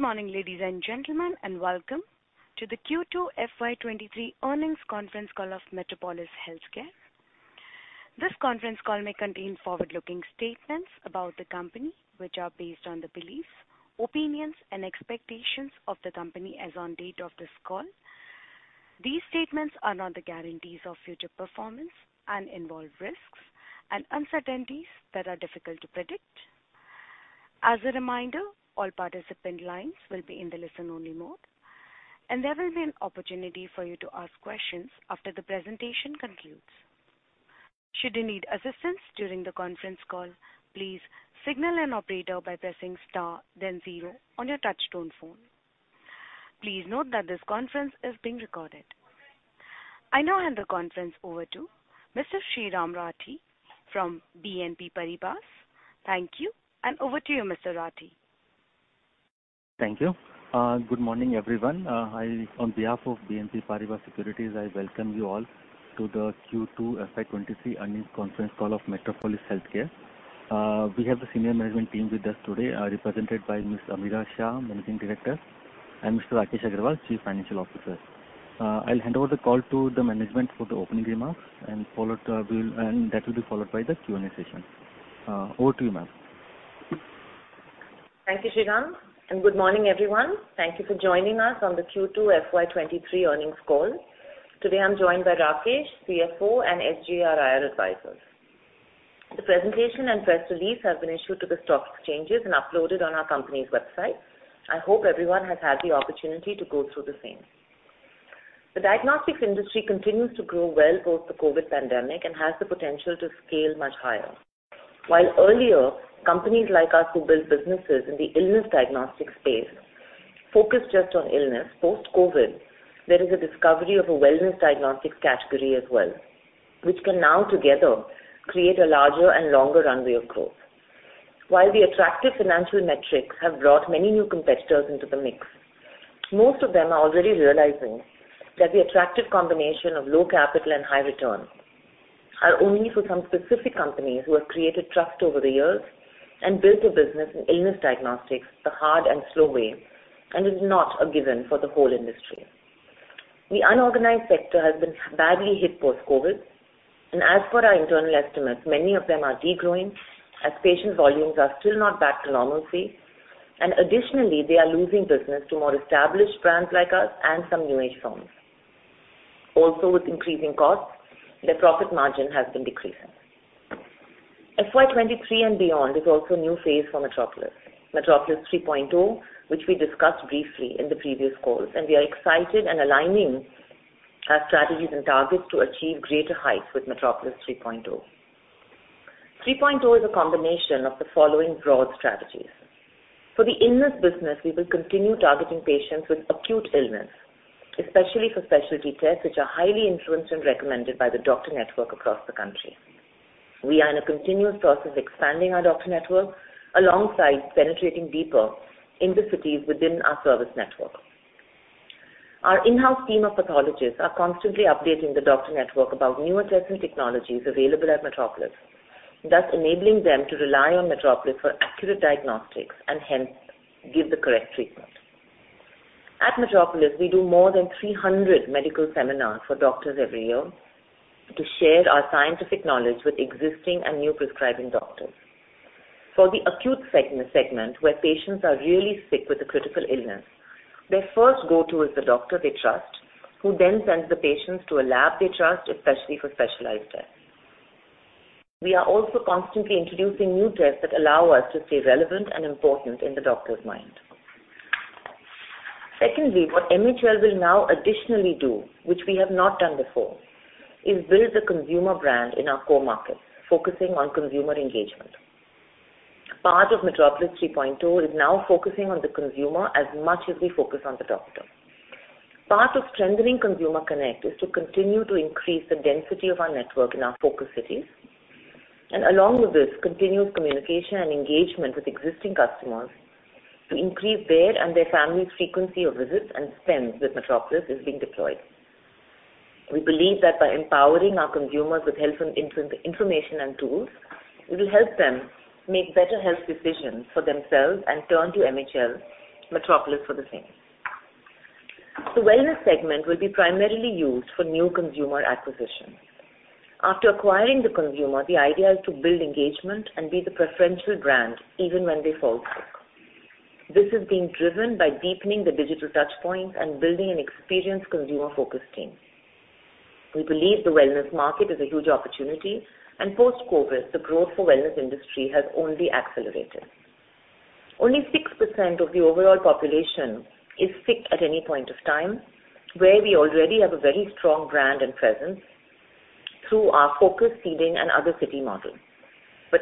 Good morning, ladies and gentlemen, and welcome to the Q2 FY 2023 earnings conference call of Metropolis Healthcare. This conference call may contain forward-looking statements about the company, which are based on the beliefs, opinions and expectations of the company as on date of this call. These statements are not the guarantees of future performance and involve risks and uncertainties that are difficult to predict. As a reminder, all participant lines will be in the listen-only mode, and there will be an opportunity for you to ask questions after the presentation concludes. Should you need assistance during the conference call, please signal an operator by pressing star then zero on your touchtone phone. Please note that this conference is being recorded. I now hand the conference over to Mr. Sriraam Rathi from BNP Paribas. Thank you, and over to you, Mr. Rathi. Thank you. Good morning, everyone. On behalf of BNP Paribas Securities, I welcome you all to the Q2 FY 2023 earnings conference call of Metropolis Healthcare. We have the senior management team with us today, represented by Ms. Ameera Shah, Managing Director, and Mr. Rakesh Agrawal, Chief Financial Officer. I'll hand over the call to the management for the opening remarks, and that will be followed by the Q&A session. Over to you, ma'am. Thank you, Sriraam, and good morning, everyone. Thank you for joining us on the Q2 FY 2023 earnings call. Today, I'm joined by Rakesh Agrawal, CFO, and SGA Advisors. The presentation and press release have been issued to the stock exchanges and uploaded on our company's website. I hope everyone has had the opportunity to go through the same. The diagnostics industry continues to grow well post the COVID pandemic and has the potential to scale much higher. While earlier, companies like us who build businesses in the illness diagnostic space focused just on illness, post-COVID, there is a discovery of a wellness diagnostics category as well, which can now together create a larger and longer runway of growth. While the attractive financial metrics have brought many new competitors into the mix, most of them are already realizing that the attractive combination of low capital and high return are only for some specific companies who have created trust over the years and built a business in illness diagnostics the hard and slow way, and is not a given for the whole industry. The unorganized sector has been badly hit post-COVID, and as per our internal estimates, many of them are de-growing as patient volumes are still not back to normalcy. Additionally, they are losing business to more established brands like us and some new-age firms. Also, with increasing costs, their profit margin has been decreasing. FY 2023 and beyond is also a new phase for Metropolis. Metropolis 3.0, which we discussed briefly in the previous calls, and we are excited and aligning our strategies and targets to achieve greater heights with Metropolis 3.0. 3.0 is a combination of the following broad strategies. For the illness business, we will continue targeting patients with acute illness, especially for specialty tests, which are highly influenced and recommended by the doctor network across the country. We are in a continuous process of expanding our doctor network alongside penetrating deeper in the cities within our service network. Our in-house team of pathologists are constantly updating the doctor network about newer testing technologies available at Metropolis, thus enabling them to rely on Metropolis for accurate diagnostics and hence give the correct treatment. At Metropolis, we do more than 300 medical seminars for doctors every year to share our scientific knowledge with existing and new prescribing doctors. For the acute segment, where patients are really sick with a critical illness, their first go-to is the doctor they trust, who then sends the patients to a lab they trust, especially for specialized tests. We are also constantly introducing new tests that allow us to stay relevant and important in the doctor's mind. Secondly, what MHL will now additionally do, which we have not done before, is build a consumer brand in our core markets, focusing on consumer engagement. Part of Metropolis 3.0 is now focusing on the consumer as much as we focus on the doctor. Part of strengthening consumer connect is to continue to increase the density of our network in our focus cities. Along with this, continuous communication and engagement with existing customers to increase their and their family's frequency of visits and spends with Metropolis is being deployed. We believe that by empowering our consumers with health information and tools, we will help them make better health decisions for themselves and turn to MHL, Metropolis for the same. The wellness segment will be primarily used for new consumer acquisitions. After acquiring the consumer, the idea is to build engagement and be the preferential brand even when they fall sick. This is being driven by deepening the digital touch points and building an experienced consumer-focused team. We believe the wellness market is a huge opportunity, and post-COVID, the growth for wellness industry has only accelerated. Only 6% of the overall population is sick at any point of time, where we already have a very strong brand and presence through our focus cities and other city models.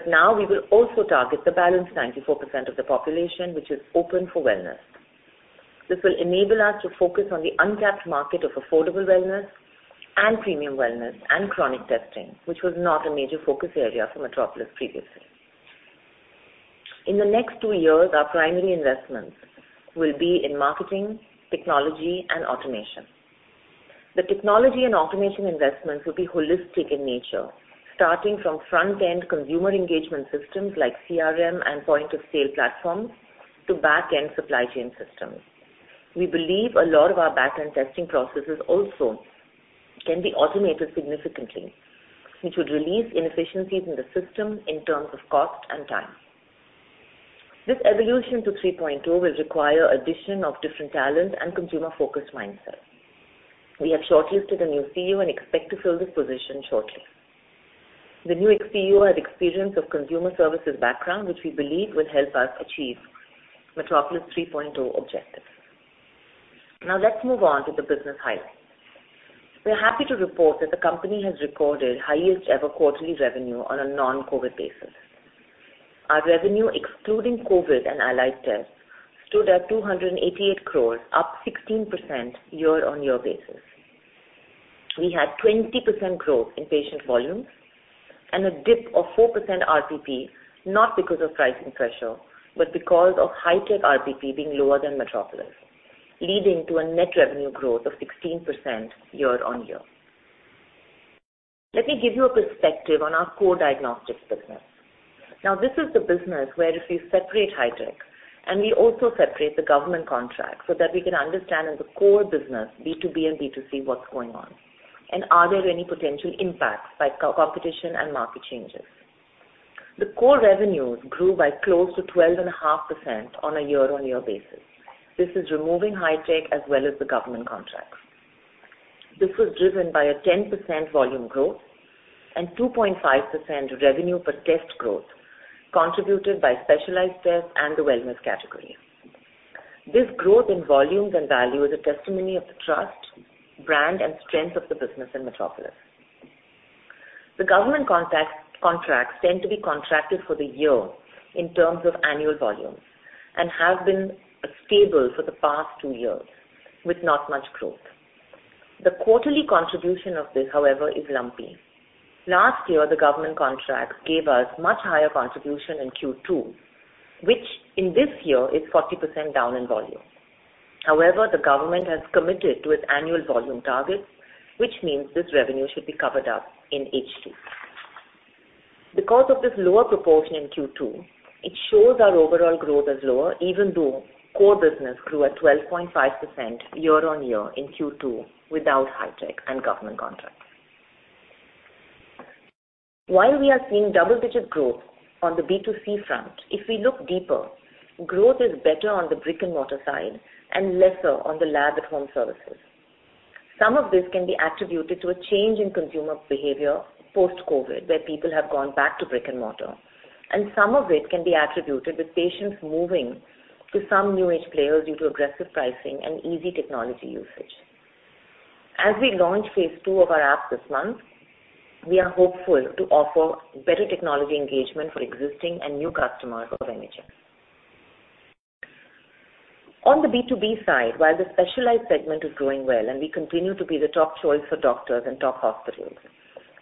Now we will also target the balance of 94% of the population, which is open for wellness. This will enable us to focus on the untapped market of affordable wellness and premium wellness and chronic testing, which was not a major focus area for Metropolis previously. In the next two years, our primary investments will be in marketing, technology, and automation. The technology and automation investments will be holistic in nature, starting from front-end consumer engagement systems like CRM and point-of-sale platforms to back-end supply chain systems. We believe a lot of our back-end testing processes also can be automated significantly, which would reduce inefficiencies in the system in terms of cost and time. This evolution to 3.0 will require addition of different talent and consumer-focused mindset. We have shortlisted a new CEO and expect to fill this position shortly. The new CEO has experience of consumer services background, which we believe will help us achieve Metropolis 3.0 objectives. Now let's move on to the business highlights. We are happy to report that the company has recorded highest ever quarterly revenue on a non-COVID basis. Our revenue, excluding COVID and allied tests, stood at 288 crore, up 16% year-on-year basis. We had 20% growth in patient volumes and a dip of 4% RPP, not because of pricing pressure, but because of Hitech RPP being lower than Metropolis, leading to a net revenue growth of 16% year-on-year. Let me give you a perspective on our core diagnostics business. Now, this is the business where if we separate Hitech and we also separate the government contract so that we can understand in the core business, B2B and B2C, what's going on, and are there any potential impacts by competition and market changes. The core revenues grew by close to 12.5% on a year-on-year basis. This is removing Hitech as well as the government contracts. This was driven by a 10% volume growth and 2.5% revenue per test growth contributed by specialized tests and the wellness category. This growth in volumes and value is a testimony of the trust, brand, and strength of the business in Metropolis. The government contracts tend to be contracted for the year in terms of annual volumes and have been stable for the past two years with not much growth. The quarterly contribution of this, however, is lumpy. Last year, the government contract gave us much higher contribution in Q2, which in this year is 40% down in volume. However, the government has committed to its annual volume targets, which means this revenue should be covered up in H2. Because of this lower proportion in Q2, it shows our overall growth is lower, even though core business grew at 12.5% year-on-year in Q2 without Hitech and government contracts. While we are seeing double-digit growth on the B2C front, if we look deeper, growth is better on the brick-and-mortar side and lesser on the lab-at-home services. Some of this can be attributed to a change in consumer behavior post-COVID, where people have gone back to brick and mortar, and some of it can be attributed with patients moving to some new-age players due to aggressive pricing and easy technology usage. As we launch phase two of our app this month, we are hopeful to offer better technology engagement for existing and new customers of MHL. On the B2B side, while the specialized segment is growing well and we continue to be the top choice for doctors and top hospitals,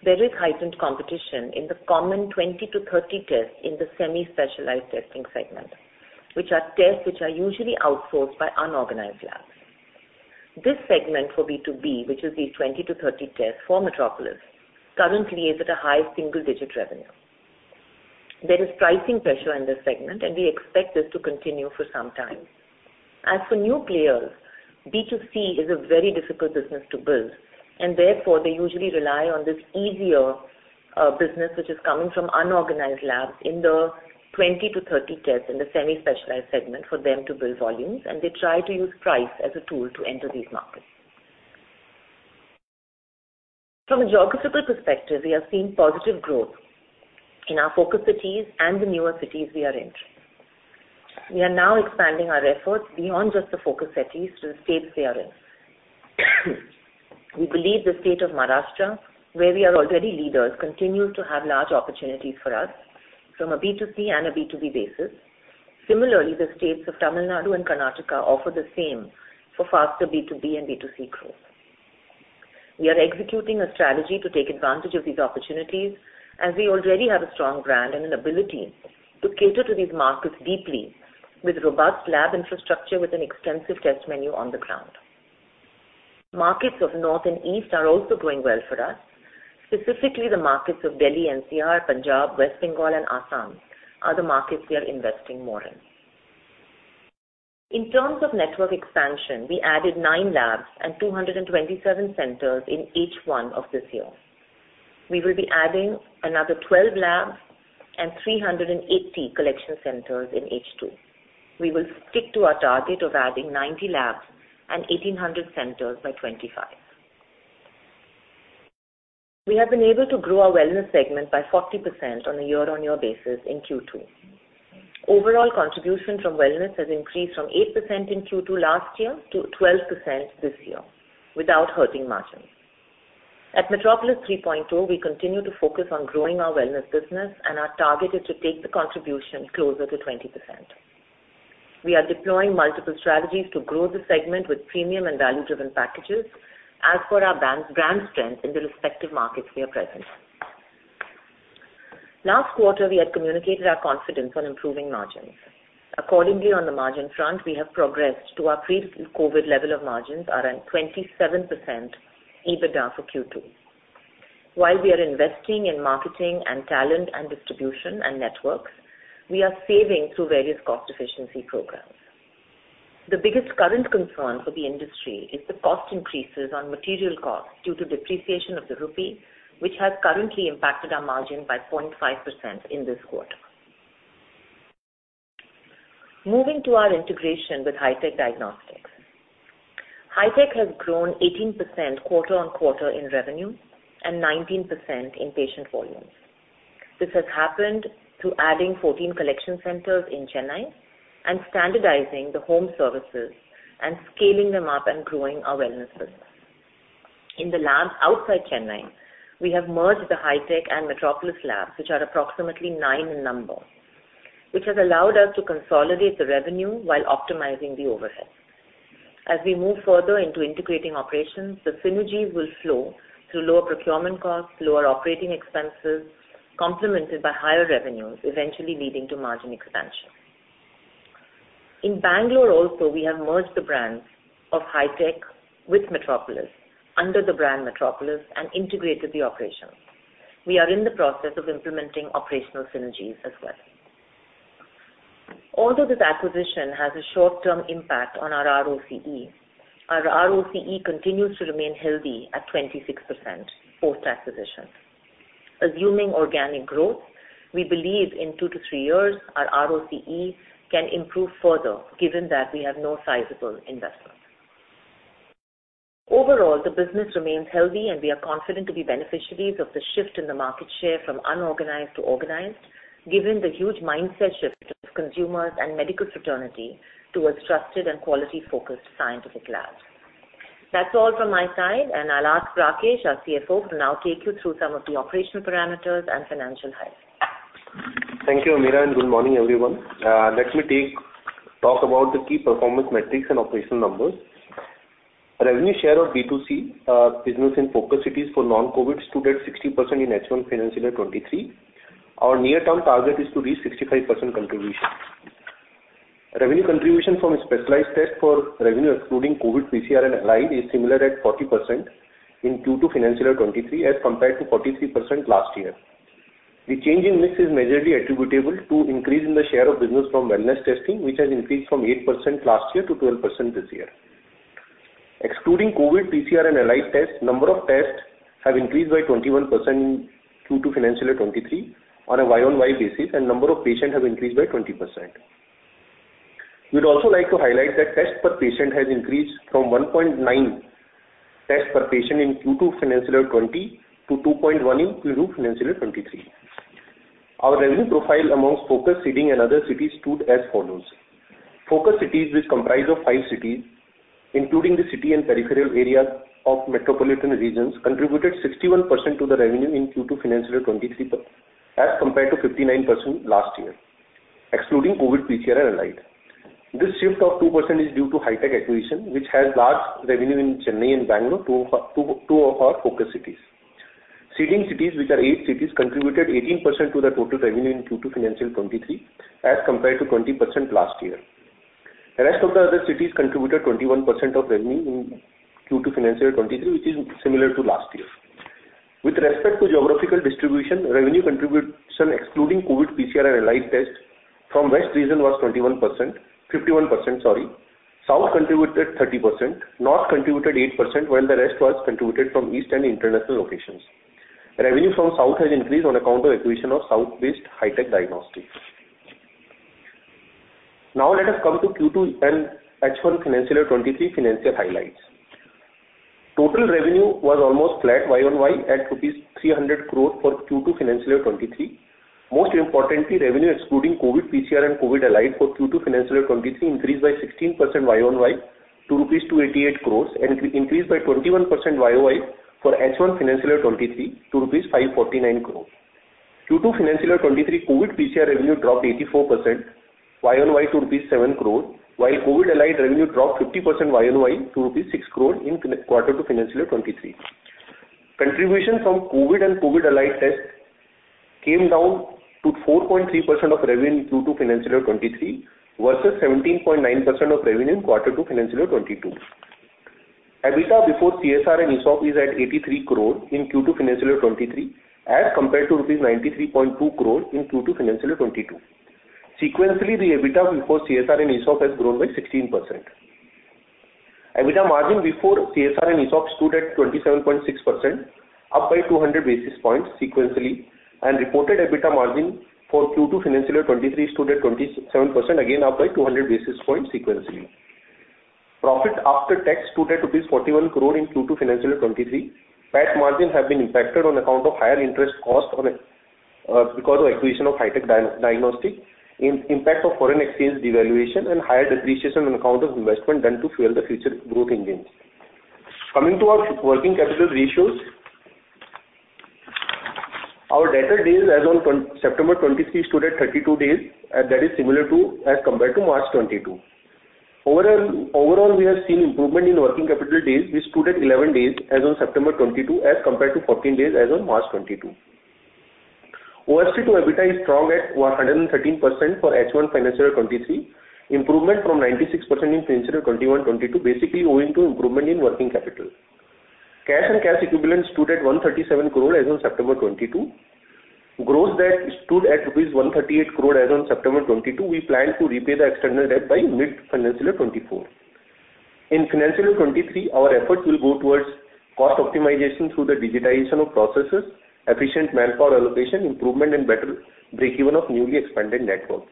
there is heightened competition in the common 20-30 tests in the semi-specialized testing segment, which are tests which are usually outsourced by unorganized labs. This segment for B2B, which is these 20-30 tests for Metropolis, currently is at a high single-digit revenue. There is pricing pressure in this segment, and we expect this to continue for some time. As for new players, B2C is a very difficult business to build, and therefore, they usually rely on this easier business, which is coming from unorganized labs in the 20-30 tests in the semi-specialized segment for them to build volumes, and they try to use price as a tool to enter these markets. From a geographical perspective, we are seeing positive growth in our focus cities and the newer cities we are in. We are now expanding our efforts beyond just the focus cities to the states they are in. We believe the state of Maharashtra, where we are already leaders, continue to have large opportunities for us from a B2C and a B2B basis. Similarly, the states of Tamil Nadu and Karnataka offer the same for faster B2B and B2C growth. We are executing a strategy to take advantage of these opportunities as we already have a strong brand and an ability to cater to these markets deeply with robust lab infrastructure with an extensive test menu on the ground. Markets of North and East are also growing well for us. Specifically, the markets of Delhi NCR, Punjab, West Bengal, and Assam are the markets we are investing more in. In terms of network expansion, we added 9 labs and 227 centers in H1 of this year. We will be adding another 12 labs and 380 collection centers in H2. We will stick to our target of adding 90 labs and 1,800 centers by 2025. We have been able to grow our wellness segment by 40% on a year-over-year basis in Q2. Overall contribution from wellness has increased from 8% in Q2 last year to 12% this year without hurting margins. At Metropolis 3.0, we continue to focus on growing our wellness business, and our target is to take the contribution closer to 20%. We are deploying multiple strategies to grow the segment with premium and value-driven packages as per our brand strength in the respective markets we are present in. Last quarter, we had communicated our confidence on improving margins. Accordingly, on the margin front, we have progressed to our pre-COVID level of margins are at 27% EBITDA for Q2. While we are investing in marketing and talent and distribution and networks, we are saving through various cost efficiency programs. The biggest current concern for the industry is the cost increases on material costs due to depreciation of the rupee, which has currently impacted our margin by 0.5% in this quarter. Moving to our integration with Hitech Diagnostic Centre. Hitech has grown 18% quarter-on-quarter in revenue and 19% in patient volumes. This has happened through adding 14 collection centers in Chennai and standardizing the home services and scaling them up and growing our wellness business. In the labs outside Chennai, we have merged the Hitech and Metropolis labs, which are approximately nine in number, which has allowed us to consolidate the revenue while optimizing the overheads. As we move further into integrating operations, the synergies will flow through lower procurement costs, lower operating expenses, complemented by higher revenues, eventually leading to margin expansion. In Bangalore also, we have merged the brands of Hitech with Metropolis under the brand Metropolis and integrated the operations. We are in the process of implementing operational synergies as well. Although this acquisition has a short-term impact on our ROCE, our ROCE continues to remain healthy at 26% post-acquisition. Assuming organic growth, we believe in 2-3 years our ROCE can improve further, given that we have no sizable investments. Overall, the business remains healthy, and we are confident to be beneficiaries of the shift in the market share from unorganized to organized, given the huge mindset shift of consumers and medical fraternity towards trusted and quality-focused scientific labs. That's all from my side, and I'll ask Rakesh, our CFO, to now take you through some of the operational parameters and financial highlights. Thank you, Ameera, and good morning, everyone. Let me talk about the key performance metrics and operational numbers. Revenue share of B2C business in focus cities for non-COVID stood at 60% in H1 financial year 2023. Our near-term target is to reach 65% contribution. Revenue contribution from specialized tests to revenue excluding COVID PCR and allied is similar at 40% in Q2 financial year 2023 as compared to 43% last year. The change in this is majorly attributable to increase in the share of business from wellness testing, which has increased from 8% last year to 12% this year. Excluding COVID PCR and allied tests, number of tests have increased by 21% Q2 financial year 2023 on a YoY basis, and number of patients have increased by 20%. We'd also like to highlight that tests per patient has increased from 1.9 tests per patient in Q2 financial year 2020 to 2.1 in Q2 financial year 2023. Our revenue profile amongst focus, seeding, and other cities stood as follows. Focus cities, which comprise of five cities, including the city and peripheral areas of metropolitan regions, contributed 61% to the revenue in Q2 financial year 2023 as compared to 59% last year, excluding COVID PCR and allied. This shift of 2% is due to Hitech acquisition, which has large revenue in Chennai and Bangalore, two of our focus cities. Seeding cities, which are eight cities, contributed 18% to the total revenue in Q2 financial 2023, as compared to 20% last year. The rest of the other cities contributed 21% of revenue in Q2 financial year 2023, which is similar to last year. With respect to geographical distribution, revenue contribution excluding COVID PCR and allied tests from West region was 51%, sorry. South contributed 30%, North contributed 8%, while the rest was contributed from East and international locations. Revenue from South has increased on account of acquisition of South-based Hitech Diagnostic Centre. Now let us come to Q2 and H1 financial year 2023 financial highlights. Total revenue was almost flat year-over-year at rupees 300 crore for Q2 financial year 2023. Most importantly, revenue excluding COVID PCR and COVID allied for Q2 financial year 2023 increased by 16% year-over-year to 288 crore, and increased by 21% year-over-year for H1 financial year 2023 to 549 crore rupees. Q2 financial year 2023, COVID PCR revenue dropped 84% YoY to 7 crore rupees, while COVID allied revenue dropped 50% YoY to 6 crore rupees in Q2 financial year 2023. Contribution from COVID and COVID allied tests came down to 4.3% of revenue in Q2 financial year 2023 versus 17.9% of revenue in Q2 financial year 2022. EBITDA before CSR and ESOP is at 83 crore in Q2 financial year 2023 as compared to rupees 93.2 crore in Q2 financial year 2022. Sequentially, the EBITDA before CSR and ESOP has grown by 16%. EBITDA margin before CSR and ESOP stood at 27.6%, up by 200 basis points sequentially, and reported EBITDA margin for Q2 financial year 2023 stood at 27%, again up by 200 basis points sequentially. Profit after tax stood at INR 41 crore in Q2 financial year 2023. Tax margins have been impacted on account of higher interest cost because of acquisition of Hitech Diagnostic, impact of foreign exchange devaluation, and higher depreciation on account of investment done to fuel the future growth engines. Coming to our working capital ratios, our debtor days as on September 2023 stood at 32 days, that is similar to as compared to March 2022. Overall, we have seen improvement in working capital days, which stood at 11 days as on September 2022 as compared to 14 days as on March 2022. OCF to EBITDA is strong at 113% for H1 financial 2023. Improvement from 96% in financial 2021/2022, basically owing to improvement in working capital. Cash and cash equivalents stood at 137 crore as on September 2022. Gross debt stood at rupees 138 crore as on September 2022. We plan to repay the external debt by mid-financial 2024. In financial 2023, our efforts will go towards cost optimization through the digitization of processes, efficient manpower allocation, improvement and better break-even of newly expanded network.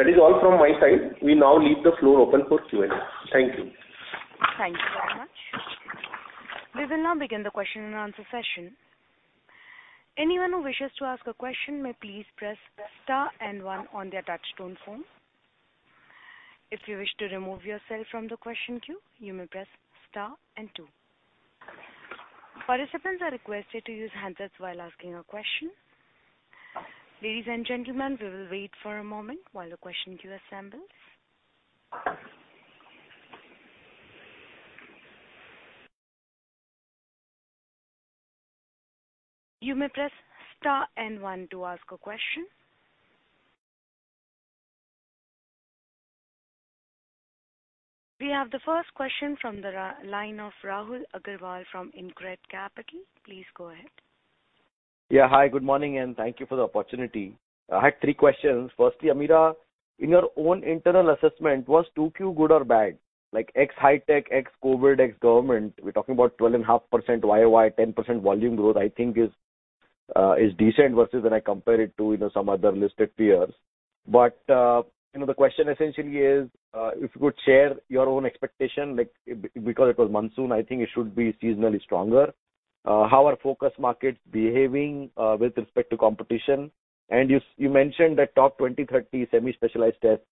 That is all from my side. We now leave the floor open for Q&A. Thank you. Thank you very much. We will now begin the question and answer session. Anyone who wishes to ask a question may please press star and one on their touchtone phone. If you wish to remove yourself from the question queue, you may press star and two. Participants are requested to use headsets while asking a question. Ladies and gentlemen, we will wait for a moment while the question queue assembles. You may press star and one to ask a question. We have the first question from the line of Rahul Agarwal from InCred Capital. Please go ahead. Hi, good morning, and thank you for the opportunity. I had three questions. Firstly, Ameera, in your own internal assessment, was 2Q good or bad? Like ex-Hitech, ex-COVID, ex-government, we're talking about 12.5% YoY, 10% volume growth, I think is decent versus when I compare it to, you know, some other listed peers. You know, the question essentially is, if you could share your own expectation, like because it was monsoon, I think it should be seasonally stronger. How are focus markets behaving with respect to competition? You mentioned that top 20/30 semi-specialized tests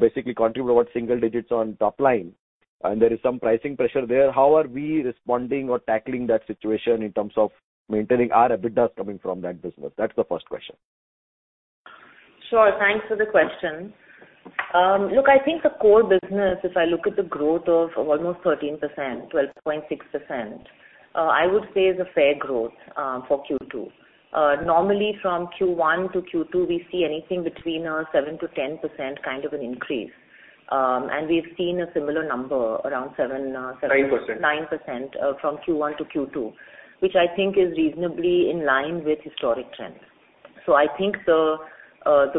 basically contribute about single digits on top line, and there is some pricing pressure there. How are we responding or tackling that situation in terms of maintaining our EBITDA coming from that business? That's the first question. Sure. Thanks for the question. Look, I think the core business, if I look at the growth of almost 13%, 12.6%, I would say is a fair growth for Q2. Normally from Q1 to Q2, we see anything between 7%-10% kind of an increase. We've seen a similar number around 7%. 9%. 9% from Q1 to Q2, which I think is reasonably in line with historic trends. I think the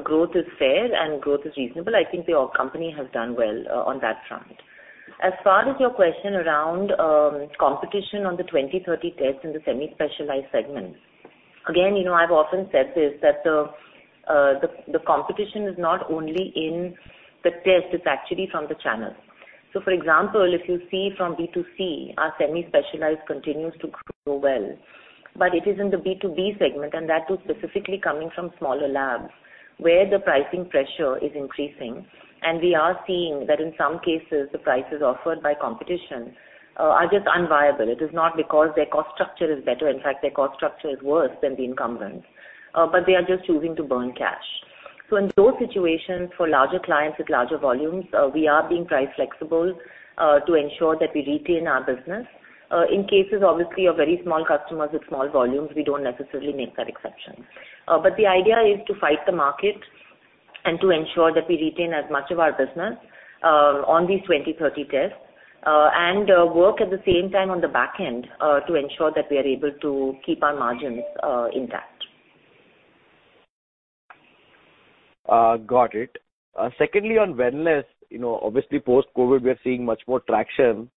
growth is fair and growth is reasonable. I think the company has done well on that front. As far as your question around competition on the 20/30 tests in the semi-specialized segments. Again, you know, I've often said this, that the competition is not only in the test, it's actually from the channels. For example, if you see from B2C, our semi-specialized continues to grow well, but it is in the B2B segment, and that too specifically coming from smaller labs, where the pricing pressure is increasing. We are seeing that in some cases the prices offered by competition are just unviable. It is not because their cost structure is better. In fact, their cost structure is worse than the incumbents, but they are just choosing to burn cash. In those situations, for larger clients with larger volumes, we are being price flexible, to ensure that we retain our business. In cases, obviously, of very small customers with small volumes, we don't necessarily make that exception. The idea is to fight the market and to ensure that we retain as much of our business, on these 20-30 tests, and work at the same time on the back end, to ensure that we are able to keep our margins, intact. Got it. Secondly, on wellness, you know, obviously post-COVID, we are seeing much more traction.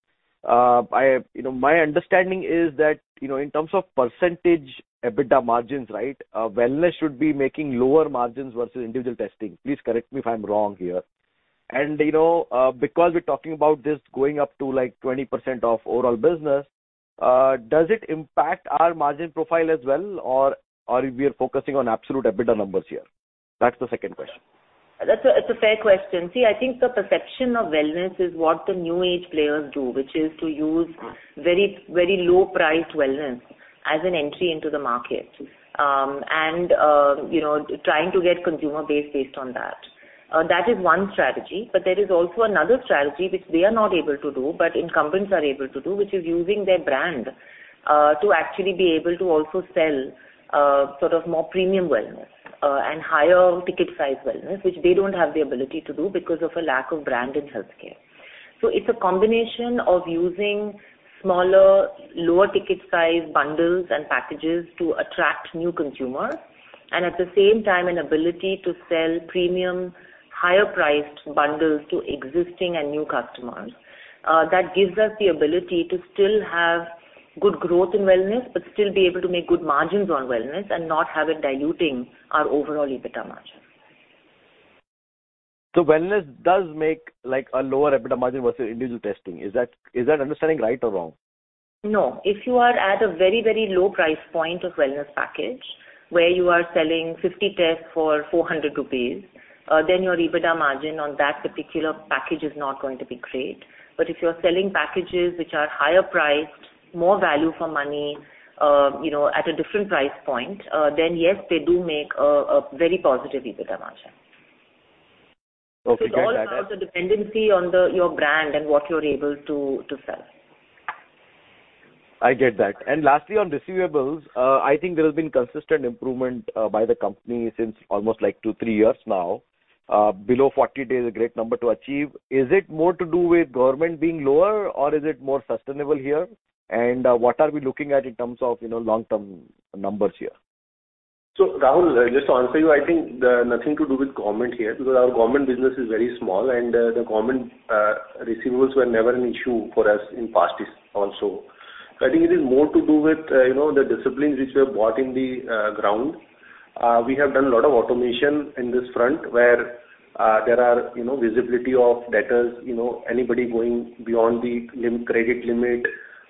You know, my understanding is that, you know, in terms of percentage EBITDA margins, right, wellness should be making lower margins versus individual testing. Please correct me if I'm wrong here. You know, because we're talking about this going up to like 20% of overall business, does it impact our margin profile as well, or we are focusing on absolute EBITDA numbers here? That's the second question. That's a fair question. See, I think the perception of wellness is what the new age players do, which is to use very, very low-priced wellness as an entry into the market. You know, trying to get consumer base based on that. That is one strategy. But there is also another strategy which they are not able to do, but incumbents are able to do, which is using their brand to actually be able to also sell sort of more premium wellness and higher ticket size wellness, which they don't have the ability to do because of a lack of brand in healthcare. It's a combination of using smaller, lower ticket size bundles and packages to attract new consumers and at the same time an ability to sell premium higher priced bundles to existing and new customers. That gives us the ability to still have good growth in wellness, but still be able to make good margins on wellness and not have it diluting our overall EBITDA margin. Wellness does make like a lower EBITDA margin versus individual testing. Is that understanding right or wrong? No. If you are at a very, very low price point of wellness package, where you are selling 50 tests for 400 rupees, then your EBITDA margin on that particular package is not going to be great. But if you're selling packages which are higher priced, more value for money, you know, at a different price point, then yes, they do make a very positive EBITDA margin. Okay. It all has a dependency on your brand and what you're able to sell. I get that. Lastly, on receivables, I think there has been consistent improvement by the company since almost like two, three years now. Below 40 days a great number to achieve. Is it more to do with government being lower or is it more sustainable here? What are we looking at in terms of, you know, long-term numbers here? Rahul, just to answer you, I think there's nothing to do with government here because our government business is very small and the government receivables were never an issue for us in past years also. I think it is more to do with you know the disciplines which were brought in on the ground. We have done a lot of automation in this front where there are you know visibility of debtors, you know anybody going beyond the credit limit.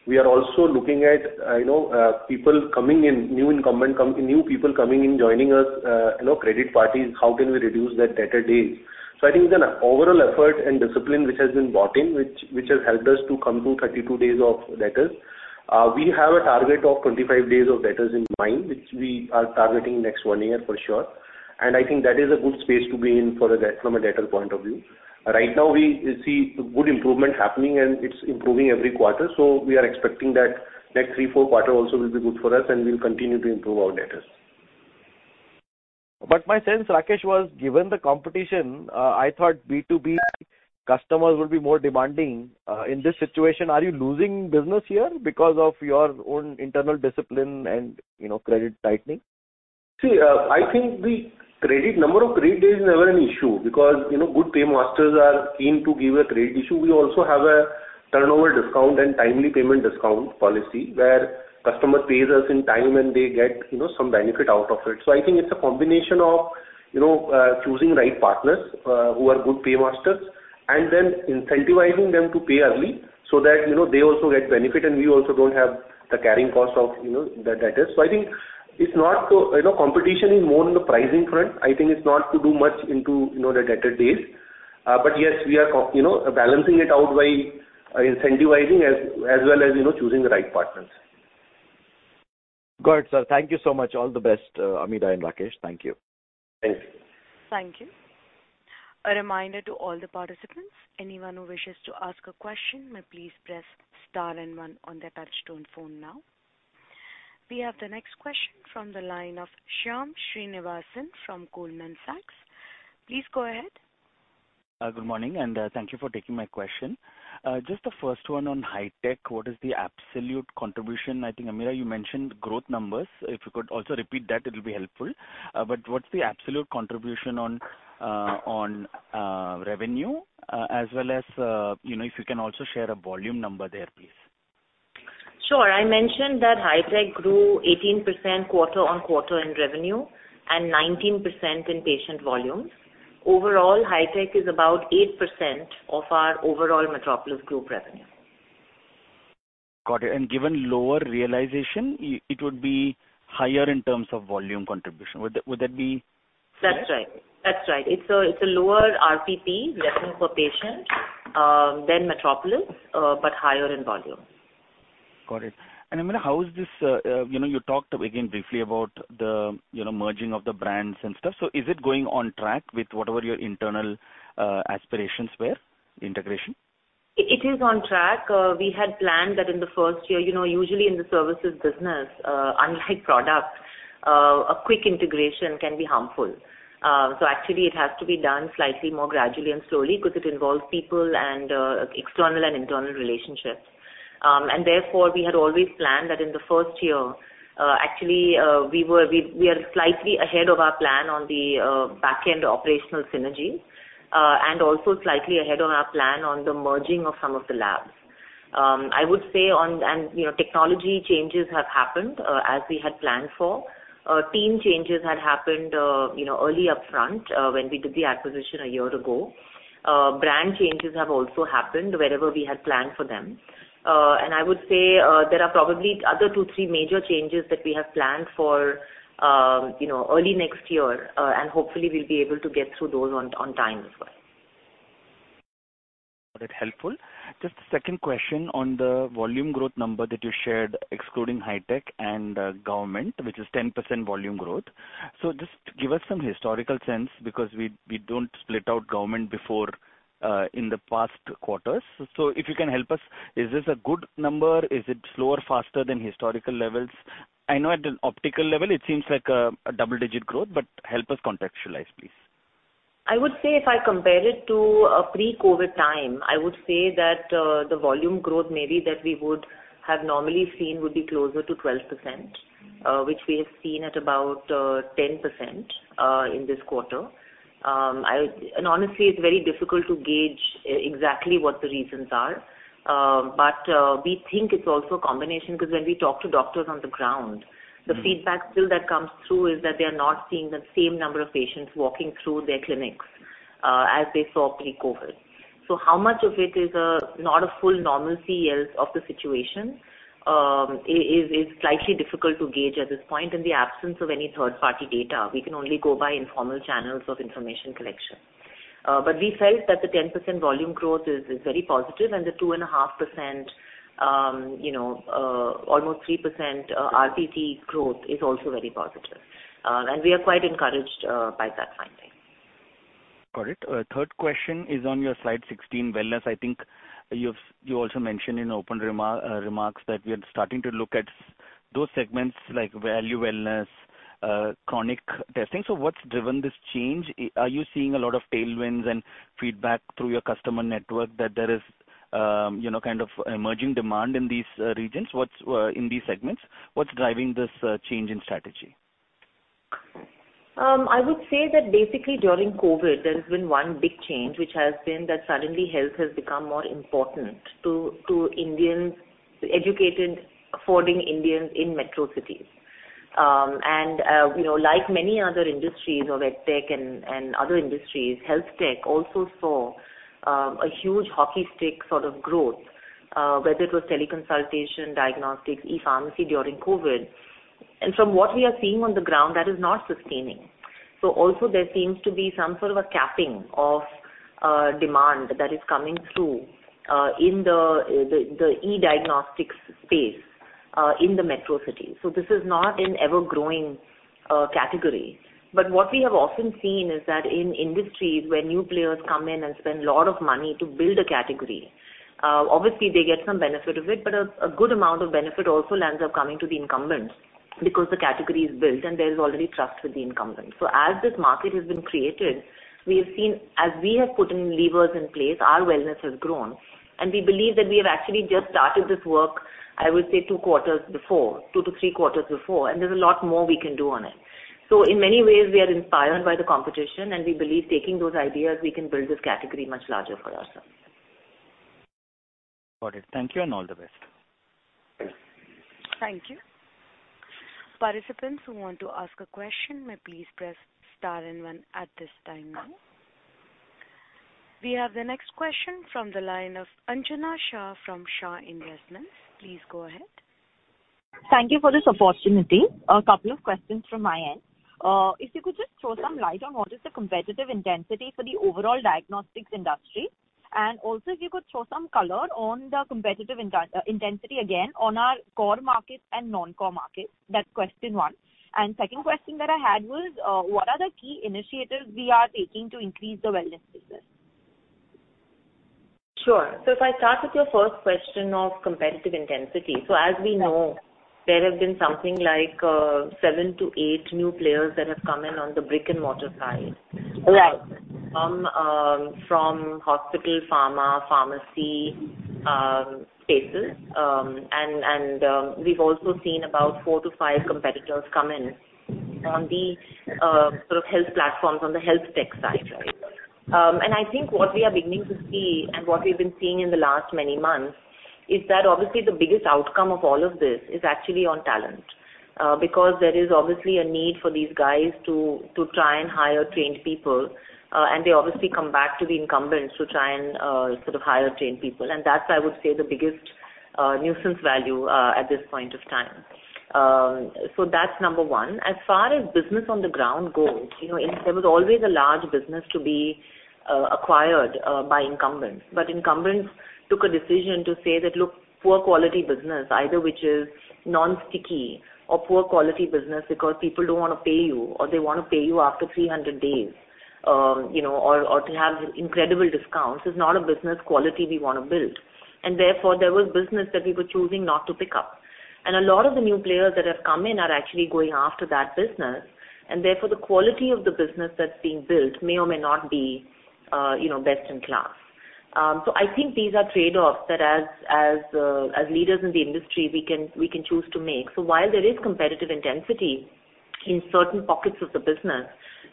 We are also looking at you know people coming in, new people coming in joining us you know credit parties, how can we reduce that debtor days? I think it's an overall effort and discipline which has been brought in which has helped us to come to 32 days of debtors. We have a target of 25 days of debtors in mind, which we are targeting next one year for sure. I think that is a good space to be in from a debtor point of view. Right now we see good improvement happening and it's improving every quarter, so we are expecting that next three-four quarters also will be good for us and we'll continue to improve our debtors. My sense, Rakesh, was given the competition, I thought B2B customers would be more demanding. In this situation, are you losing business here because of your own internal discipline and, you know, credit tightening? See, I think the number of credit days is never an issue because, you know, good paymasters are keen to get trade credit. We also have a turnover discount and timely payment discount policy where customer pays us on time and they get, you know, some benefit out of it. So I think it's a combination of, you know, choosing right partners, who are good paymasters and then incentivizing them to pay early so that, you know, they also get benefit and we also don't have the carrying cost of, you know, the debtors. So I think it's not so. You know, competition is more on the pricing front. I think it's not too much into, you know, the debtor days. Yes, we are, you know, balancing it out by incentivizing as well as, you know, choosing the right partners. Got it, sir. Thank you so much. All the best, Ameera and Rakesh. Thank you. Thank you. Thank you. A reminder to all the participants, anyone who wishes to ask a question may please press star and one on their touch-tone phone now. We have the next question from the line of Shyam Srinivasan from Goldman Sachs. Please go ahead. Good morning, thank you for taking my question. Just the first one on Hitech, what is the absolute contribution? I think, Ameera, you mentioned growth numbers. If you could also repeat that, it'll be helpful. What's the absolute contribution on revenue, as well as, you know, if you can also share a volume number there, please. Sure. I mentioned that Hitech grew 18% quarter-on-quarter in revenue and 19% in patient volumes. Overall, Hitech is about 8% of our overall Metropolis Group revenue. Got it. Given lower realization, it would be higher in terms of volume contribution. Would that be correct? That's right. It's a lower RPP, revenue per patient, than Metropolis, but higher in volume. Got it. Ameera, how is this? You know, you talked again briefly about the, you know, merging of the brands and stuff. Is it going on track with whatever your internal aspirations were, integration? It is on track. We had planned that in the first year. You know, usually in the services business, unlike product, a quick integration can be harmful. Actually it has to be done slightly more gradually and slowly because it involves people and external and internal relationships. Therefore, we had always planned that in the first year, actually, we are slightly ahead of our plan on the backend operational synergy, and also slightly ahead of our plan on the merging of some of the labs. Technology changes have happened, as we had planned for. Team changes had happened, you know, early upfront, when we did the acquisition a year ago. Brand changes have also happened wherever we had planned for them. I would say there are probably other two, three major changes that we have planned for, you know, early next year, and hopefully we'll be able to get through those on time as well. Got it. Helpful. Just second question on the volume growth number that you shared, excluding Hitech and government, which is 10% volume growth. Just give us some historical sense because we don't split out government before in the past quarters. If you can help us, is this a good number? Is it slower, faster than historical levels? I know at an overall level it seems like a double digit growth, but help us contextualize, please. I would say if I compare it to a pre-COVID time, I would say that the volume growth maybe that we would have normally seen would be closer to 12%, which we have seen at about 10% in this quarter. Honestly, it's very difficult to gauge exactly what the reasons are, but we think it's also a combination because when we talk to doctors on the ground. Mm-hmm. The feedback still that comes through is that they are not seeing the same number of patients walking through their clinics, as they saw pre-COVID. How much of it is not a full normalcy of the situation is slightly difficult to gauge at this point. In the absence of any third-party data, we can only go by informal channels of information collection. But we felt that the 10% volume growth is very positive, and the 2.5%, you know, almost 3%, RPT growth is also very positive. And we are quite encouraged by that finding. Got it. Third question is on your slide 16, wellness. I think you also mentioned in open remarks that we are starting to look at those segments like value wellness, chronic testing. What's driven this change? Are you seeing a lot of tailwinds and feedback through your customer network that there is, you know, kind of emerging demand in these regions? What's in these segments? What's driving this change in strategy? I would say that basically during COVID, there has been one big change, which has been that suddenly health has become more important to Indians, educated, affording Indians in metro cities. You know, like many other industries or tech and other industries, health tech also saw a huge hockey stick sort of growth, whether it was teleconsultation, diagnostics, e-pharmacy during COVID. From what we are seeing on the ground, that is not sustaining. Also there seems to be some sort of a capping of demand that is coming through in the e-diagnostics space in the metro cities. This is not an ever-growing category. What we have often seen is that in industries where new players come in and spend a lot of money to build a category, obviously they get some benefit of it, but a good amount of benefit also ends up coming to the incumbents because the category is built and there is already trust with the incumbents. As this market has been created, we have seen, as we have put levers in place, our wellness has grown, and we believe that we have actually just started this work, I would say two quarters before, two to three quarters before, and there's a lot more we can do on it. In many ways, we are inspired by the competition and we believe taking those ideas, we can build this category much larger for ourselves. Got it. Thank you and all the best. Thank you. Participants who want to ask a question may please press star and one at this time now. We have the next question from the line of Anjana Shah from Shah Investments. Please go ahead. Thank you for this opportunity. A couple of questions from my end. If you could just throw some light on what is the competitive intensity for the overall diagnostics industry, and also if you could throw some color on the competitive intensity again on our core markets and non-core markets. That's question one. Second question that I had was, what are the key initiatives we are taking to increase the wellness business? Sure. If I start with your first question of competitive intensity. As we know, there have been something like 7-8 new players that have come in on the brick-and-mortar side. Right. From hospital, pharma, pharmacy spaces. We've also seen about four-five competitors come in on the sort of health platforms on the health tech side. I think what we are beginning to see and what we've been seeing in the last many months is that obviously the biggest outcome of all of this is actually on talent. Because there is obviously a need for these guys to try and hire trained people, and they obviously come back to the incumbents to try and sort of hire trained people. That's, I would say, the biggest nuisance value at this point of time. That's number one. As far as business on the ground goes, you know, there was always a large business to be acquired by incumbents. Incumbents took a decision to say that, "Look, poor quality business, either which is non-sticky or poor quality business because people don't wanna pay you or they wanna pay you after 300 days, or to have incredible discounts, is not a business quality we wanna build." Therefore, there was business that we were choosing not to pick up. A lot of the new players that have come in are actually going after that business. Therefore, the quality of the business that's being built may or may not be best in class. I think these are trade-offs that as leaders in the industry, we can choose to make. While there is competitive intensity in certain pockets of the business,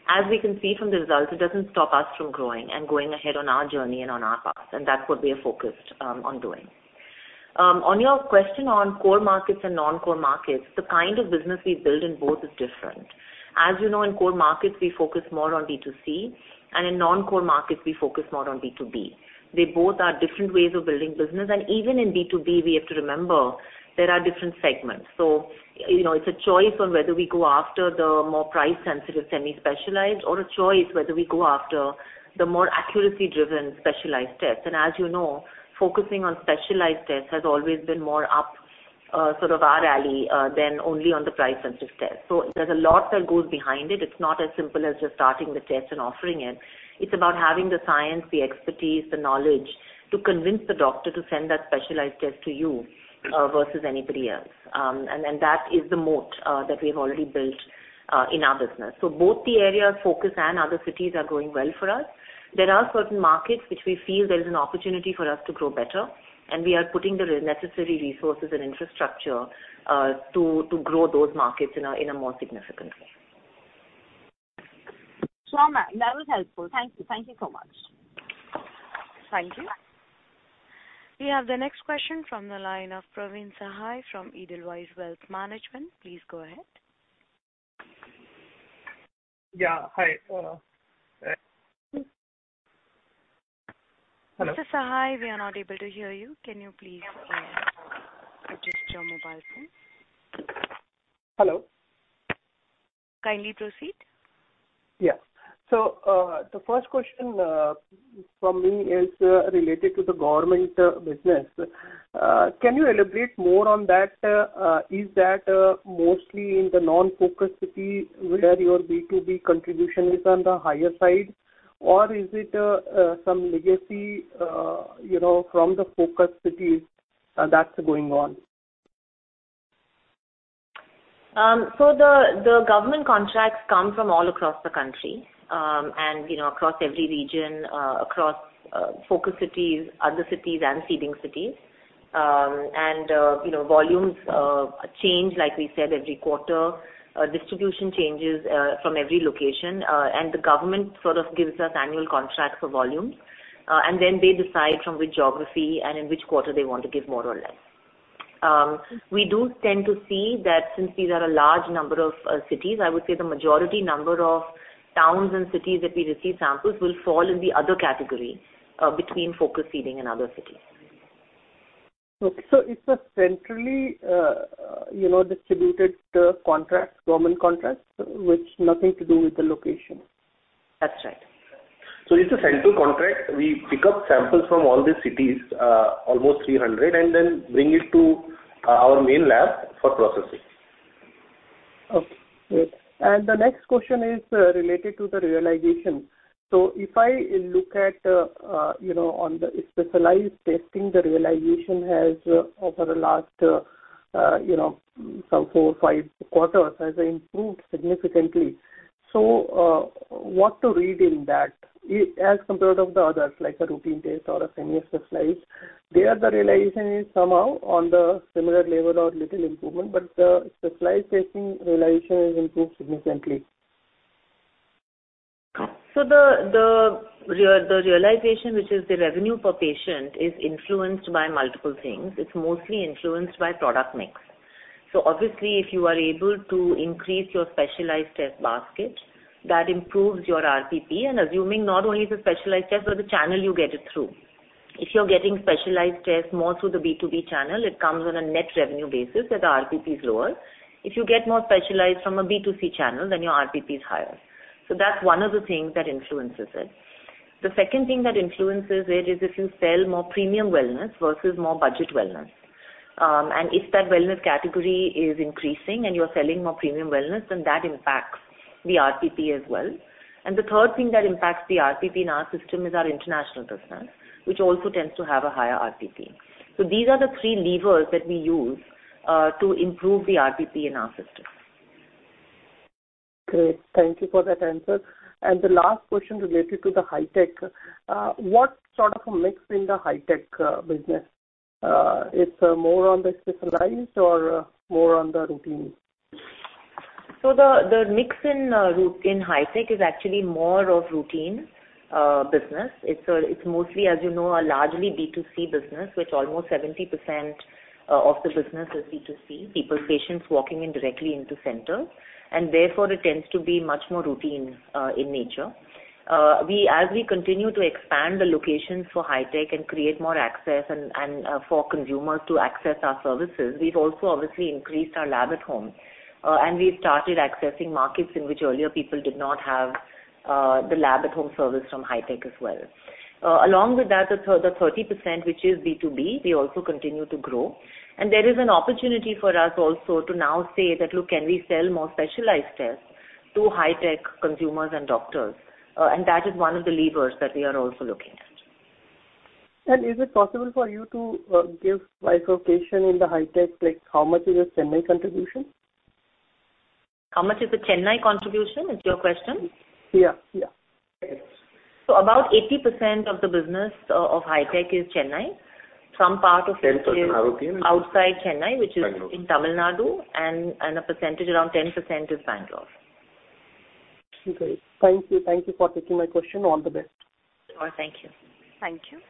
as we can see from the results, it doesn't stop us from growing and going ahead on our journey and on our path, and that's what we are focused on doing. On your question on core markets and non-core markets, the kind of business we build in both is different. As you know, in core markets, we focus more on B2C, and in non-core markets, we focus more on B2B. They both are different ways of building business. Even in B2B, we have to remember there are different segments. You know, it's a choice on whether we go after the more price-sensitive semi-specialized or a choice whether we go after the more accuracy-driven specialized tests. As you know, focusing on specialized tests has always been more up sort of our alley than only on the price-sensitive tests. There's a lot that goes behind it. It's not as simple as just starting the test and offering it. It's about having the science, the expertise, the knowledge to convince the doctor to send that specialized test to you versus anybody else. And that is the moat that we have already built in our business. Both the area of focus and other cities are going well for us. There are certain markets which we feel there is an opportunity for us to grow better, and we are putting the necessary resources and infrastructure to grow those markets in a more significant way. Sure, ma'am. That was helpful. Thank you. Thank you so much. Thank you. We have the next question from the line of Praveen Sahay from Edelweiss Wealth Management. Please go ahead. Yeah. Hi. Mr. Sahay, we are not able to hear you. Can you please adjust your mobile phone? Hello. Kindly proceed. The first question from me is related to the government business. Is that mostly in the non-focus city where your B2B contribution is on the higher side? Or is it some legacy, you know, from the focus cities that's going on? The government contracts come from all across the country, and you know, across every region, across focus cities, other cities and seeding cities. You know, volumes change, like we said, every quarter. Distribution changes from every location. The government sort of gives us annual contracts for volumes, and then they decide from which geography and in which quarter they want to give more or less. We do tend to see that since these are a large number of cities, I would say the majority number of towns and cities that we receive samples will fall in the Other category, between focus seeding and other cities. Okay. It's a centrally, you know, distributed, contract, government contract, which nothing to do with the location? That's right. It's a central contract. We pick up samples from all the cities, almost 300, and then bring it to our main lab for processing. Okay. Great. The next question is related to the realization. If I look at, you know, on the specialized testing, the realization has, over the last, you know, some four, five quarters, improved significantly. What to read into that as compared to the others, like the routine test or semi-specialized. There, the realization is somehow on the similar level or little improvement, but specialized testing realization has improved significantly. The realization, which is the revenue per patient, is influenced by multiple things. It's mostly influenced by product mix. Obviously, if you are able to increase your specialized test basket, that improves your RPP. Assuming not only the specialized test, but the channel you get it through. If you're getting specialized tests more through the B2B channel, it comes on a net revenue basis that the RPP is lower. If you get more specialized from a B2C channel, then your RPP is higher. That's one of the things that influences it. The second thing that influences it is if you sell more premium wellness versus more budget wellness. If that wellness category is increasing and you're selling more premium wellness, then that impacts the RPP as well. The third thing that impacts the RPP in our system is our international business, which also tends to have a higher RPP. These are the three levers that we use to improve the RPP in our system. Great. Thank you for that answer. The last question related to the Hitech. What sort of a mix in the Hitech business? It's more on the specialized or more on the routine? The mix in Hitech is actually more of routine business. It's mostly, as you know, a largely B2C business, which almost 70% of the business is B2C, patients walking in directly into center, and therefore it tends to be much more routine in nature. As we continue to expand the locations for Hitech and create more access and for consumers to access our services, we've also obviously increased our lab-at-home. And we've started accessing markets in which earlier people did not have the lab-at-home service from Hitech as well. Along with that, the 30%, which is B2B, we also continue to grow. There is an opportunity for us also to now say that, "Look, can we sell more specialized tests to Hitech consumers and doctors?" and that is one of the levers that we are also looking at. Is it possible for you to give by location in the Hitech, like how much is your Chennai contribution? How much is the Chennai contribution is your question? Yeah. Yeah. About 80% of the business of Hitech is Chennai. Some part of it. 10% are routine. is outside Chennai, which is Bangalore In Tamil Nadu, and a percentage around 10% is Bangalore. Okay. Thank you. Thank you for taking my question. All the best. Sure. Thank you. Thank you.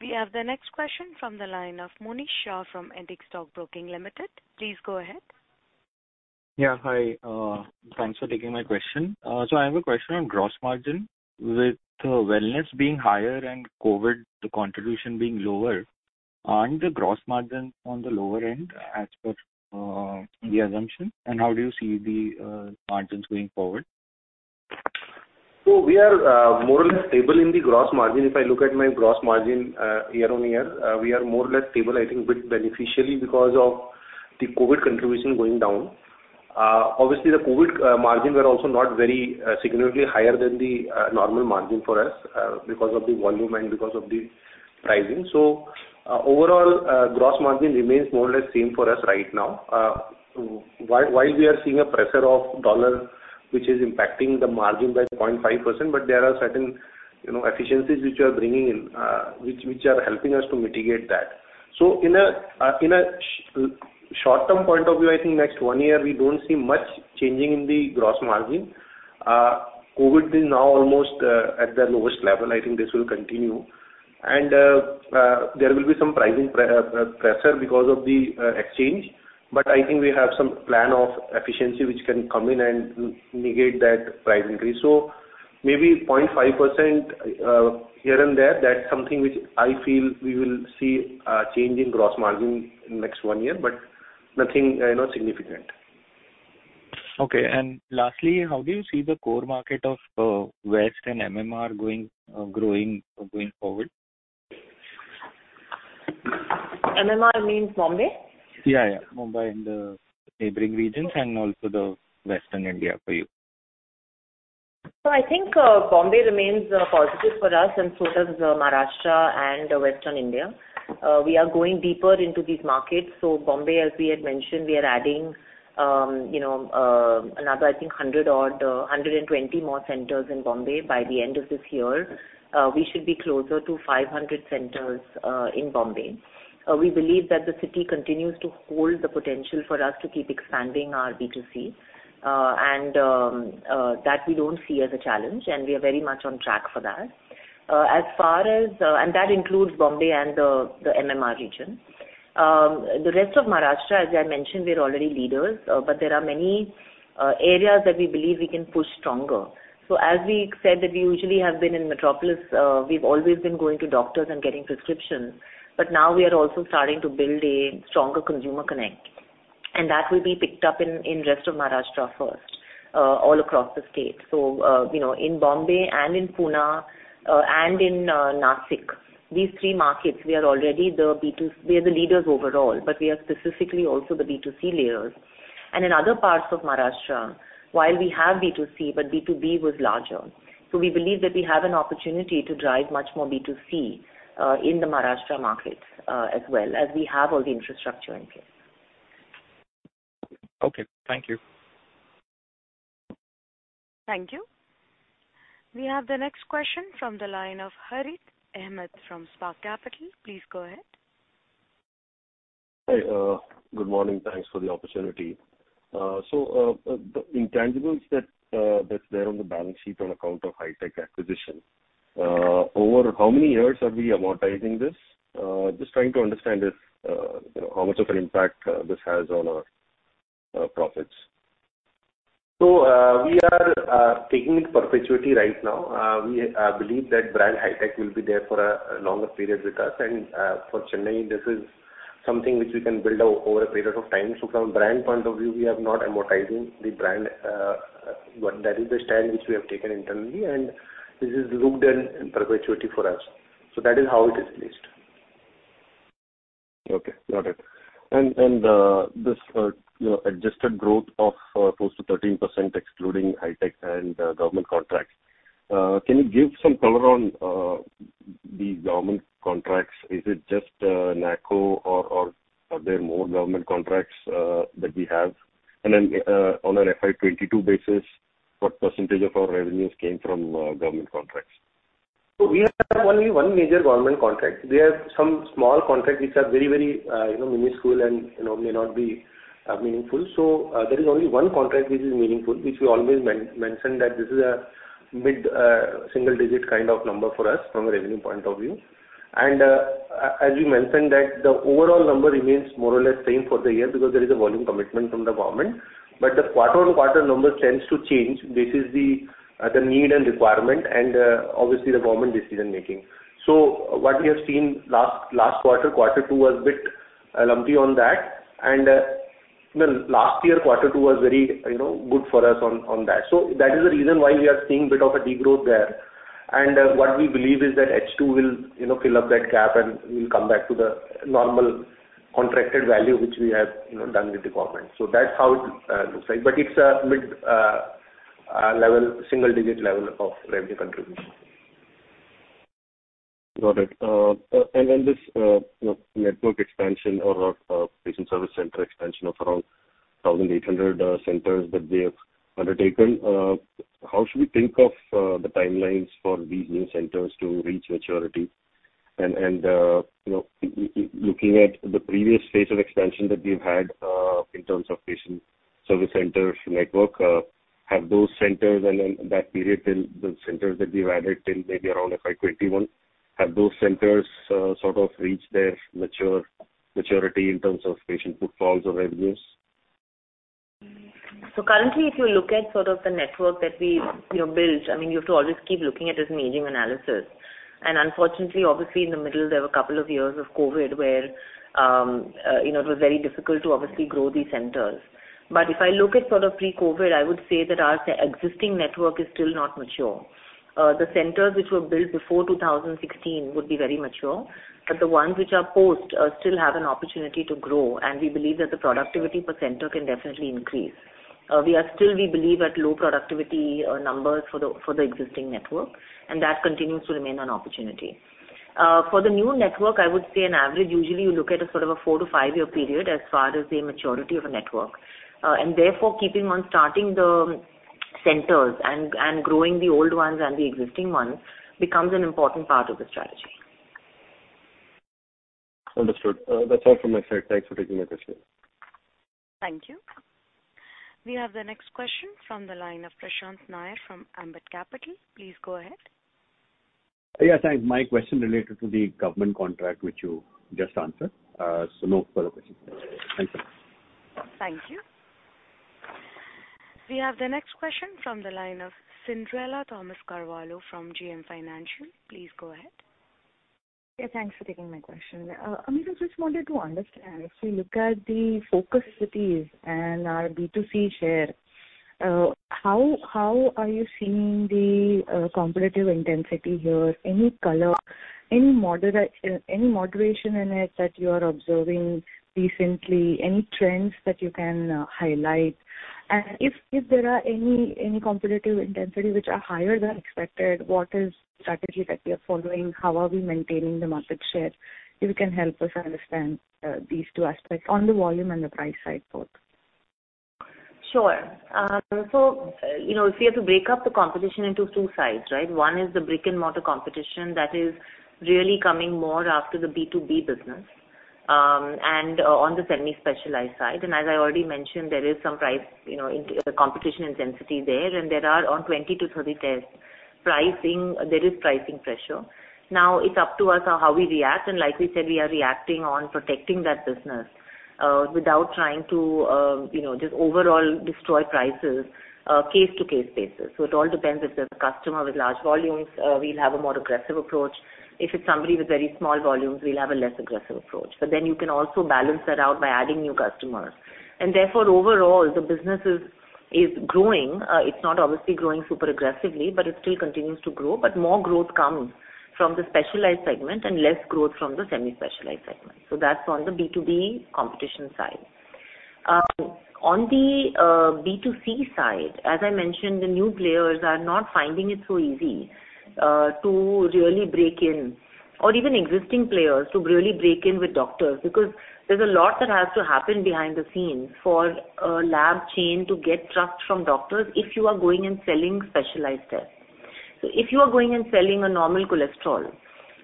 We have the next question from the line of Monish Shah from Antique Stock Broking Limited. Please go ahead. Hi. Thanks for taking my question. I have a question on gross margin. With wellness being higher and COVID, the contribution being lower, aren't the gross margin on the lower end as per the assumption? How do you see the margins going forward? We are more or less stable in the gross margin. If I look at my gross margin year-on-year, we are more or less stable, I think, bit beneficially because of the COVID contribution going down. Obviously the COVID margin were also not very significantly higher than the normal margin for us because of the volume and because of the pricing. Overall, gross margin remains more or less same for us right now. While we are seeing a pressure of dollar, which is impacting the margin by 0.5%, but there are certain, you know, efficiencies which we are bringing in, which are helping us to mitigate that. In short-term point of view, I think next one year, we don't see much changing in the gross margin. COVID is now almost at the lowest level. I think this will continue. There will be some pricing pressure because of the exchange. But I think we have some plan of efficiency which can come in and mitigate that price increase. Maybe 0.5% here and there, that's something which I feel we will see a change in gross margin in next one year, but nothing significant. Okay. Lastly, how do you see the core market of West and MMR growing going forward? MMR means Bombay? Yeah, yeah. Mumbai and the neighboring regions and also the Western India for you. I think Bombay remains positive for us and so does Maharashtra and Western India. We are going deeper into these markets. Bombay, as we had mentioned, we are adding you know another I think 100 or 120 more centers in Bombay by the end of this year. We should be closer to 500 centers in Bombay. We believe that the city continues to hold the potential for us to keep expanding our B2C and that we don't see as a challenge, and we are very much on track for that. That includes Bombay and the MMR region. The rest of Maharashtra, as I mentioned, we're already leaders, but there are many areas that we believe we can push stronger. As we said that we usually have been in Metropolis, we've always been going to doctors and getting prescriptions, but now we are also starting to build a stronger consumer connect, and that will be picked up in the rest of Maharashtra first, all across the state. You know, in Bombay and in Pune and in Nashik, these three markets, we are already the leaders overall, but we are specifically also the B2C leaders. In other parts of Maharashtra, while we have B2C, but B2B was larger. We believe that we have an opportunity to drive much more B2C in the Maharashtra market as well, as we have all the infrastructure in place. Okay. Thank you. Thank you. We have the next question from the line of Harith Ahamed from Spark Capital. Please go ahead. Hi. Good morning. Thanks for the opportunity. So, the intangibles that that's there on the balance sheet on account of Hitech acquisition, over how many years are we amortizing this? Just trying to understand if, you know, how much of an impact this has on our profits. We are taking it in perpetuity right now. We believe that brand Hitech will be there for a longer period with us. For Chennai, this is something which we can build over a period of time. From a brand point of view, we are not amortizing the brand, but that is the stance which we have taken internally, and this is booked in perpetuity for us. That is how it is placed. Okay, got it. This, you know, adjusted growth of close to 13% excluding Hitech and government contracts, can you give some color on the government contracts? Is it just NACO or are there more government contracts that we have? On an FY 2022 basis, what percentage of our revenues came from government contracts? We have only one major government contract. We have some small contracts which are very you know, minuscule and, you know, may not be meaningful. There is only one contract which is meaningful, which we always mention that this is a mid-single-digit kind of number for us from a revenue point of view. And, as we mentioned that the overall number remains more or less the same for the year because there is a volume commitment from the government. But the quarter-on-quarter number tends to change based on the need and requirement and obviously the government decision-making. What we have seen last quarter two was a bit lumpy on that. And, you know, last year quarter two was very you know, good for us on that. That is the reason why we are seeing a bit of a degrowth there. What we believe is that H2 will, you know, fill up that gap, and we'll come back to the normal contracted value which we have, you know, done with the government. That's how it looks like. It's a mid-level, single-digit level of revenue contribution. Got it. And then this, you know, network expansion or patient service center expansion of around 1,800 centers that they have undertaken, how should we think of the timelines for these new centers to reach maturity? You know, looking at the previous phase of expansion that we've had, in terms of patient service centers network, have those centers and then that period till the centers that we've added till maybe around FY 2021, have those centers sort of reached their maturity in terms of patient footfalls or revenues? Currently, if you look at sort of the network that we, you know, built, I mean, you have to always keep looking at it as an aging analysis. Unfortunately, obviously, in the middle, there were a couple of years of COVID where, you know, it was very difficult to obviously grow these centers. If I look at sort of pre-COVID, I would say that our existing network is still not mature. The centers which were built before 2016 would be very mature, but the ones which are post still have an opportunity to grow, and we believe that the productivity per center can definitely increase. We are still, we believe, at low productivity numbers for the existing network, and that continues to remain an opportunity. For the new network, I would say on average, usually you look at a sort of a four-five-year period as far as the maturity of a network. Therefore, keeping on starting the centers and growing the old ones and the existing ones becomes an important part of the strategy. Understood. That's all from my side. Thanks for taking my question. Thank you. We have the next question from the line of Prashant Nair from Ambit Capital. Please go ahead. Yeah, thanks. My question related to the government contract which you just answered. No further questions. Thanks a lot. Thank you. We have the next question from the line of Cyndrella Thomas Carvalho from JM Financial. Please go ahead. Yeah, thanks for taking my question. I mean, I just wanted to understand. If you look at the focus cities and our B2C share, how are you seeing the competitive intensity here? Any color, any moderation in it that you are observing recently? Any trends that you can highlight? If there are any competitive intensity which are higher than expected, what is strategy that we are following? How are we maintaining the market share? If you can help us understand these two aspects on the volume and the price side both. Sure. You know, if we have to break up the competition into two sides, right? One is the brick-and-mortar competition that is really coming more after the B2B business, and on the semi-specialized side. As I already mentioned, there is some pricing, you know, in the competition intensity there. There is pricing pressure on 20-30 tests. Now it's up to us on how we react, and like we said, we are reacting by protecting that business, without trying to, you know, just overall destroy prices, case-by-case basis. It all depends if there's a customer with large volumes, we'll have a more aggressive approach. If it's somebody with very small volumes, we'll have a less aggressive approach. You can also balance that out by adding new customers. Therefore, overall, the business is growing. It's not obviously growing super aggressively, but it still continues to grow. More growth comes from the specialized segment and less growth from the semi-specialized segment. That's on the B2B competition side. On the B2C side, as I mentioned, the new players are not finding it so easy to really break in or even existing players to really break in with doctors because there's a lot that has to happen behind the scenes for a lab chain to get trust from doctors if you are going and selling specialized tests. If you are going and selling a normal cholesterol,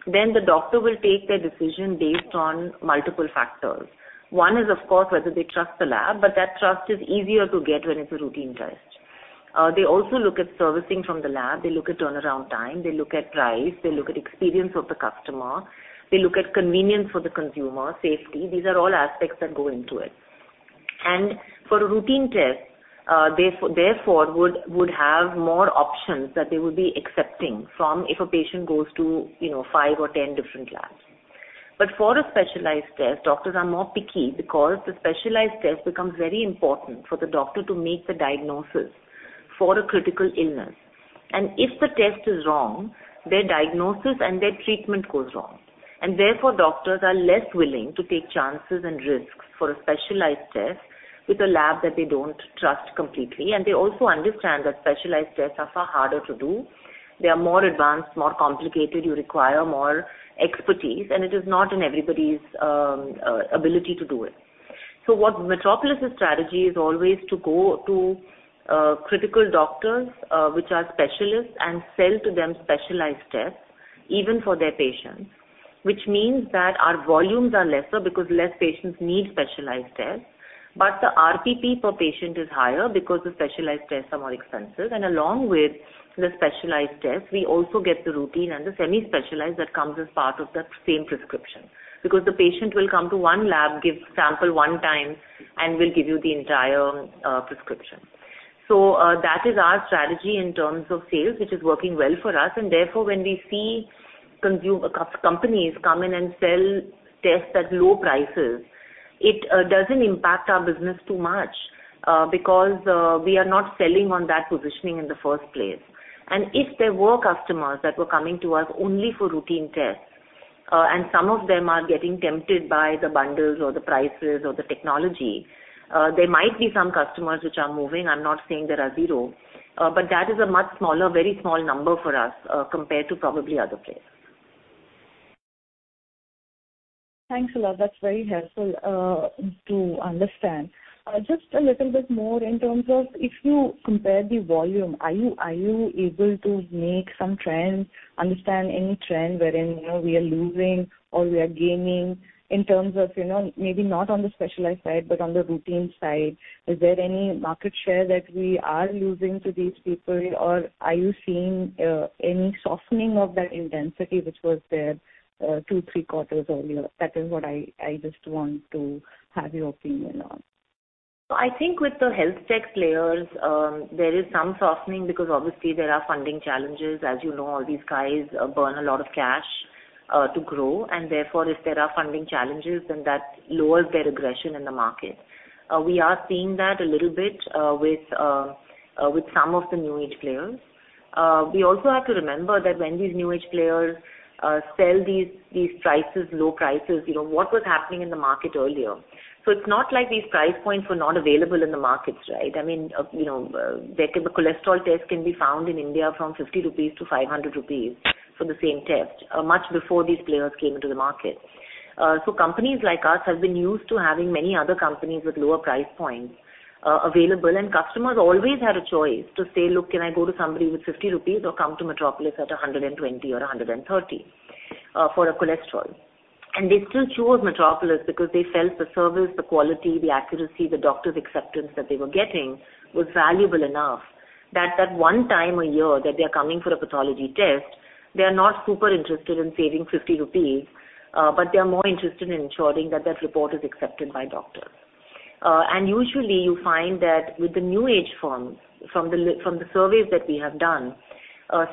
then the doctor will take their decision based on multiple factors. One is, of course, whether they trust the lab, but that trust is easier to get when it's a routine test. They also look at servicing from the lab. They look at turnaround time. They look at price. They look at experience of the customer. They look at convenience for the consumer, safety. These are all aspects that go into it. For a routine test, therefore would have more options that they would be accepting from if a patient goes to, you know, five or 10 different labs. For a specialized test, doctors are more picky because the specialized test becomes very important for the doctor to make the diagnosis for a critical illness. If the test is wrong, their diagnosis and their treatment goes wrong. Therefore, doctors are less willing to take chances and risks for a specialized test with a lab that they don't trust completely. They also understand that specialized tests are far harder to do. They are more advanced, more complicated. You require more expertise, and it is not in everybody's ability to do it. What Metropolis' strategy is always to go to critical doctors, which are specialists and sell to them specialized tests even for their patients, which means that our volumes are lesser because less patients need specialized tests. The RPP per patient is higher because the specialized tests are more expensive. Along with the specialized tests, we also get the routine and the semi-specialized that comes as part of that same prescription. The patient will come to one lab, give sample one time, and will give you the entire prescription. That is our strategy in terms of sales, which is working well for us. Therefore, when we see consumer companies come in and sell tests at low prices, it doesn't impact our business too much, because we are not selling on that positioning in the first place. If there were customers that were coming to us only for routine tests, and some of them are getting tempted by the bundles or the prices or the technology, there might be some customers which are moving. I'm not saying there are zero. But that is a much smaller, very small number for us, compared to probably other players. Thanks a lot. That's very helpful to understand. Just a little bit more in terms of if you compare the volume, are you able to make out some trends, understand any trend wherein, you know, we are losing or we are gaining in terms of, you know, maybe not on the specialized side, but on the routine side? Is there any market share that we are losing to these people? Or are you seeing any softening of that intensity which was there 2-3 quarters earlier? That is what I just want to have your opinion on. I think with the health tech players, there is some softening because obviously there are funding challenges. As you know, all these guys burn a lot of cash to grow, and therefore, if there are funding challenges, then that lowers their aggression in the market. We are seeing that a little bit with some of the new-age players. We also have to remember that when these new-age players sell these low prices, you know, what was happening in the market earlier. It's not like these price points were not available in the markets, right? I mean, you know, the cholesterol test can be found in India from 50-500 rupees for the same test, much before these players came into the market. Companies like us have been used to having many other companies with lower price points, available. Customers always had a choice to say, "Look, can I go to somebody with 50 rupees or come to Metropolis at 120 or 130, for a cholesterol?" They still chose Metropolis because they felt the service, the quality, the accuracy, the doctor's acceptance that they were getting was valuable enough that that one time a year that they are coming for a pathology test, they are not super interested in saving 50 rupees, but they are more interested in ensuring that that report is accepted by doctors. Usually you find that with the new age firms, from the surveys that we have done,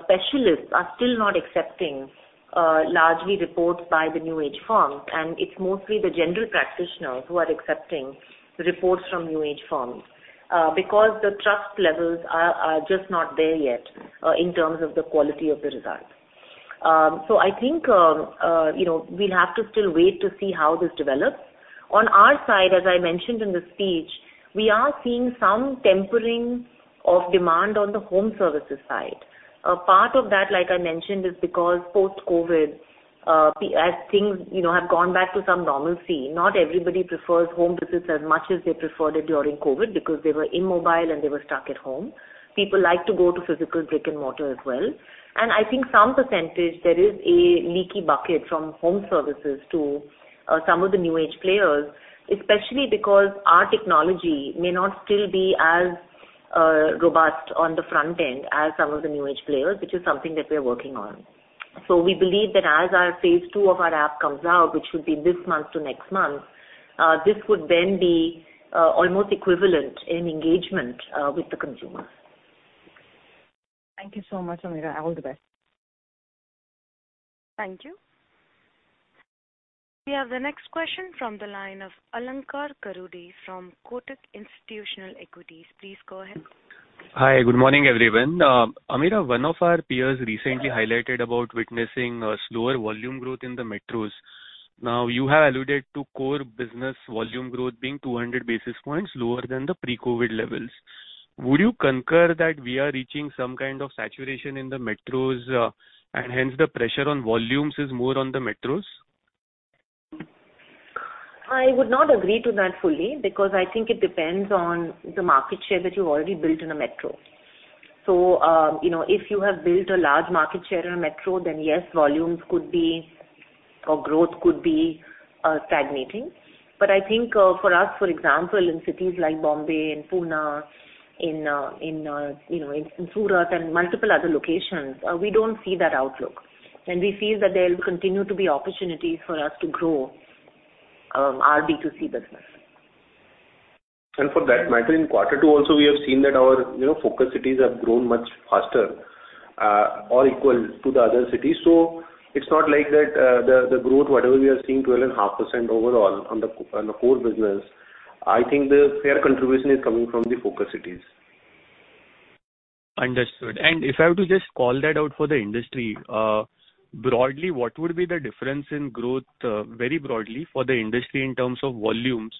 specialists are still not accepting largely reports by the new age firms, and it's mostly the general practitioners who are accepting the reports from new age firms. Because the trust levels are just not there yet in terms of the quality of the results. I think you know, we'll have to still wait to see how this develops. On our side, as I mentioned in the speech, we are seeing some tempering of demand on the home services side. A part of that, like I mentioned, is because post-COVID, as things, you know, have gone back to some normalcy, not everybody prefers home visits as much as they preferred it during COVID because they were immobile and they were stuck at home. People like to go to physical brick and mortar as well. I think some percentage there is a leaky bucket from home services to some of the new age players, especially because our technology may not still be as robust on the front end as some of the new age players, which is something that we're working on. We believe that as our phase two of our app comes out, which will be this month to next month, this would then be almost equivalent in engagement with the consumer. Thank you so much, Ameera. All the best. Thank you. We have the next question from the line of Alankar Garude from Kotak Institutional Equities. Please go ahead. Hi, good morning, everyone. Ameera, one of our peers recently highlighted about witnessing a slower volume growth in the metros. Now, you have alluded to core business volume growth being 200 basis points lower than the pre-COVID levels. Would you concur that we are reaching some kind of saturation in the metros, and hence the pressure on volumes is more on the metros? I would not agree to that fully because I think it depends on the market share that you've already built in a metro. If you have built a large market share in a metro, then yes, volumes could be or growth could be stagnating. For us, for example, in cities like Bombay and Pune, you know, in Surat and multiple other locations, we don't see that outlook. We feel that there will continue to be opportunities for us to grow our B2C business. For that matter, in quarter two also we have seen that our, you know, focus cities have grown much faster, or equal to the other cities. It's not like that, the growth, whatever we are seeing, 12.5% overall on the core business, I think the fair contribution is coming from the focus cities. Understood. If I were to just call that out for the industry, broadly, what would be the difference in growth, very broadly for the industry in terms of volumes,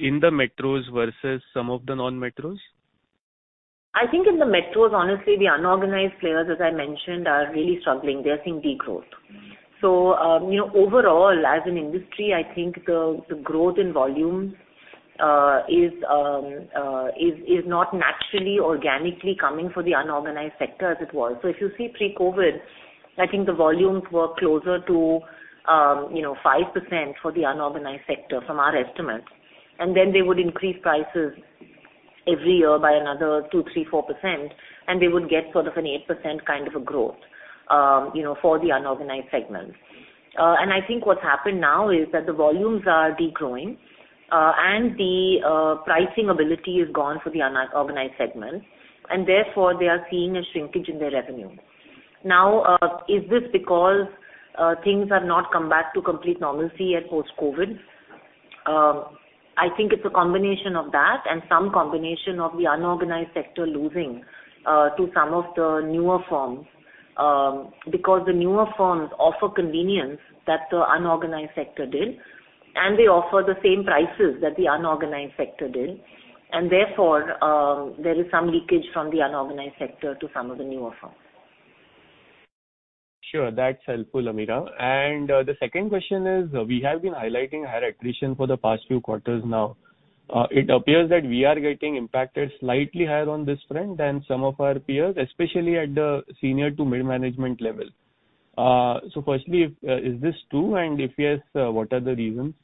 in the metros versus some of the non-metros? I think in the metros, honestly, the unorganized players, as I mentioned, are really struggling. They are seeing degrowth. You know, overall as an industry, I think the growth in volume is not naturally organically coming for the unorganized sector as it was. If you see pre-COVID, I think the volumes were closer to, you know, 5% for the unorganized sector from our estimates. Then they would increase prices every year by another 2, 3, 4%, and they would get sort of an 8% kind of a growth, you know, for the unorganized segment. I think what's happened now is that the volumes are degrowing, and the pricing ability is gone for the unorganized segment, and therefore they are seeing a shrinkage in their revenue. Now, is this because things have not come back to complete normalcy at post-COVID? I think it's a combination of that and some combination of the unorganized sector losing to some of the newer firms, because the newer firms offer convenience that the unorganized sector did, and they offer the same prices that the unorganized sector did. Therefore, there is some leakage from the unorganized sector to some of the newer firms. Sure. That's helpful, Ameera. The second question is, we have been highlighting higher attrition for the past few quarters now. It appears that we are getting impacted slightly higher on this front than some of our peers, especially at the senior to mid-management level. Firstly, is this true? If yes, what are the reasons?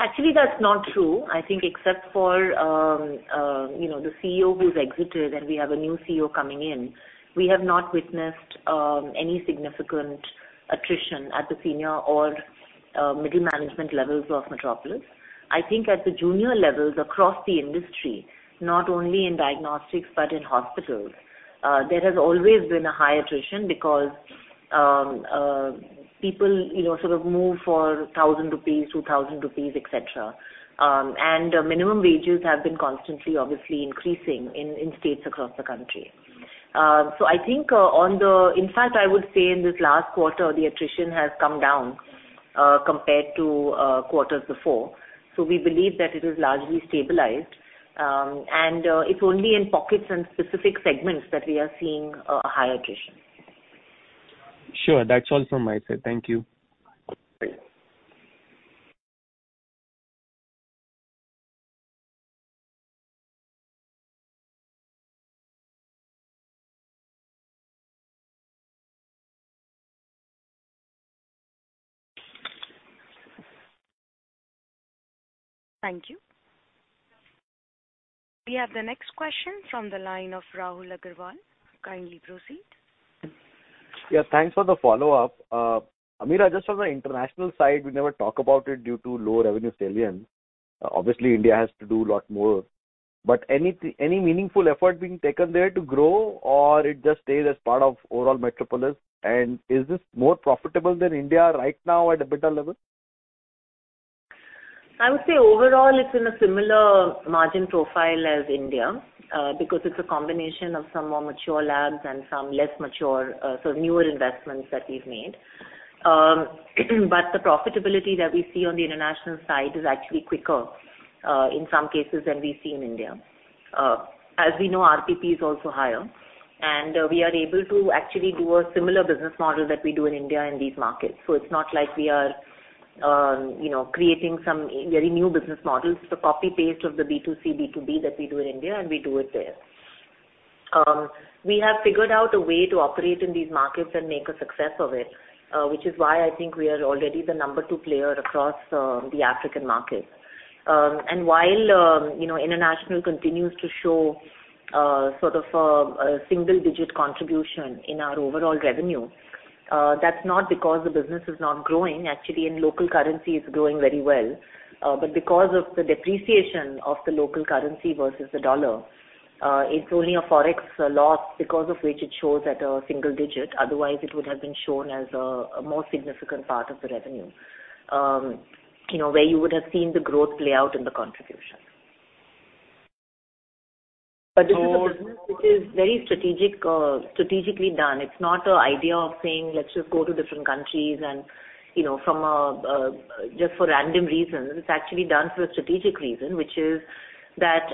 Actually, that's not true. I think except for, you know, the CEO who's exited and we have a new CEO coming in, we have not witnessed any significant attrition at the senior or middle management levels of Metropolis. I think at the junior levels across the industry, not only in diagnostics but in hospitals, there has always been a high attrition because people, you know, sort of move for 1,000 rupees, 2,000 rupees, et cetera. Minimum wages have been constantly obviously increasing in states across the country. I think, in fact, I would say in this last quarter, the attrition has come down, compared to quarters before. We believe that it is largely stabilized, and it's only in pockets and specific segments that we are seeing a high attrition. Sure. That's all from my side. Thank you. Thank you. Thank you. We have the next question from the line of Rahul Agarwal. Kindly proceed. Yeah, thanks for the follow-up. Ameera, just on the international side, we never talk about it due to low revenue salience. Obviously, India has to do a lot more. But any meaningful effort being taken there to grow or it just stays as part of overall Metropolis? And is this more profitable than India right now at a better level? I would say overall, it's in a similar margin profile as India, because it's a combination of some more mature labs and some less mature, so newer investments that we've made. The profitability that we see on the international side is actually quicker, in some cases than we see in India. As we know, RPP is also higher, and we are able to actually do a similar business model that we do in India in these markets. It's not like we are, you know, creating some very new business models. It's a copy-paste of the B2C, B2B that we do in India, and we do it there. We have figured out a way to operate in these markets and make a success of it, which is why I think we are already the number two player across the African market. While you know international continues to show sort of a single-digit contribution in our overall revenue, that's not because the business is not growing. Actually in local currency, it's growing very well. Because of the depreciation of the local currency versus the dollar, it's only a Forex loss because of which it shows at a single digit. Otherwise, it would have been shown as a more significant part of the revenue, you know where you would have seen the growth play out in the contribution. This is a business which is very strategic, strategically done. It's not an idea of saying, "Let's just go to different countries and, you know, just for random reasons." It's actually done for a strategic reason, which is that,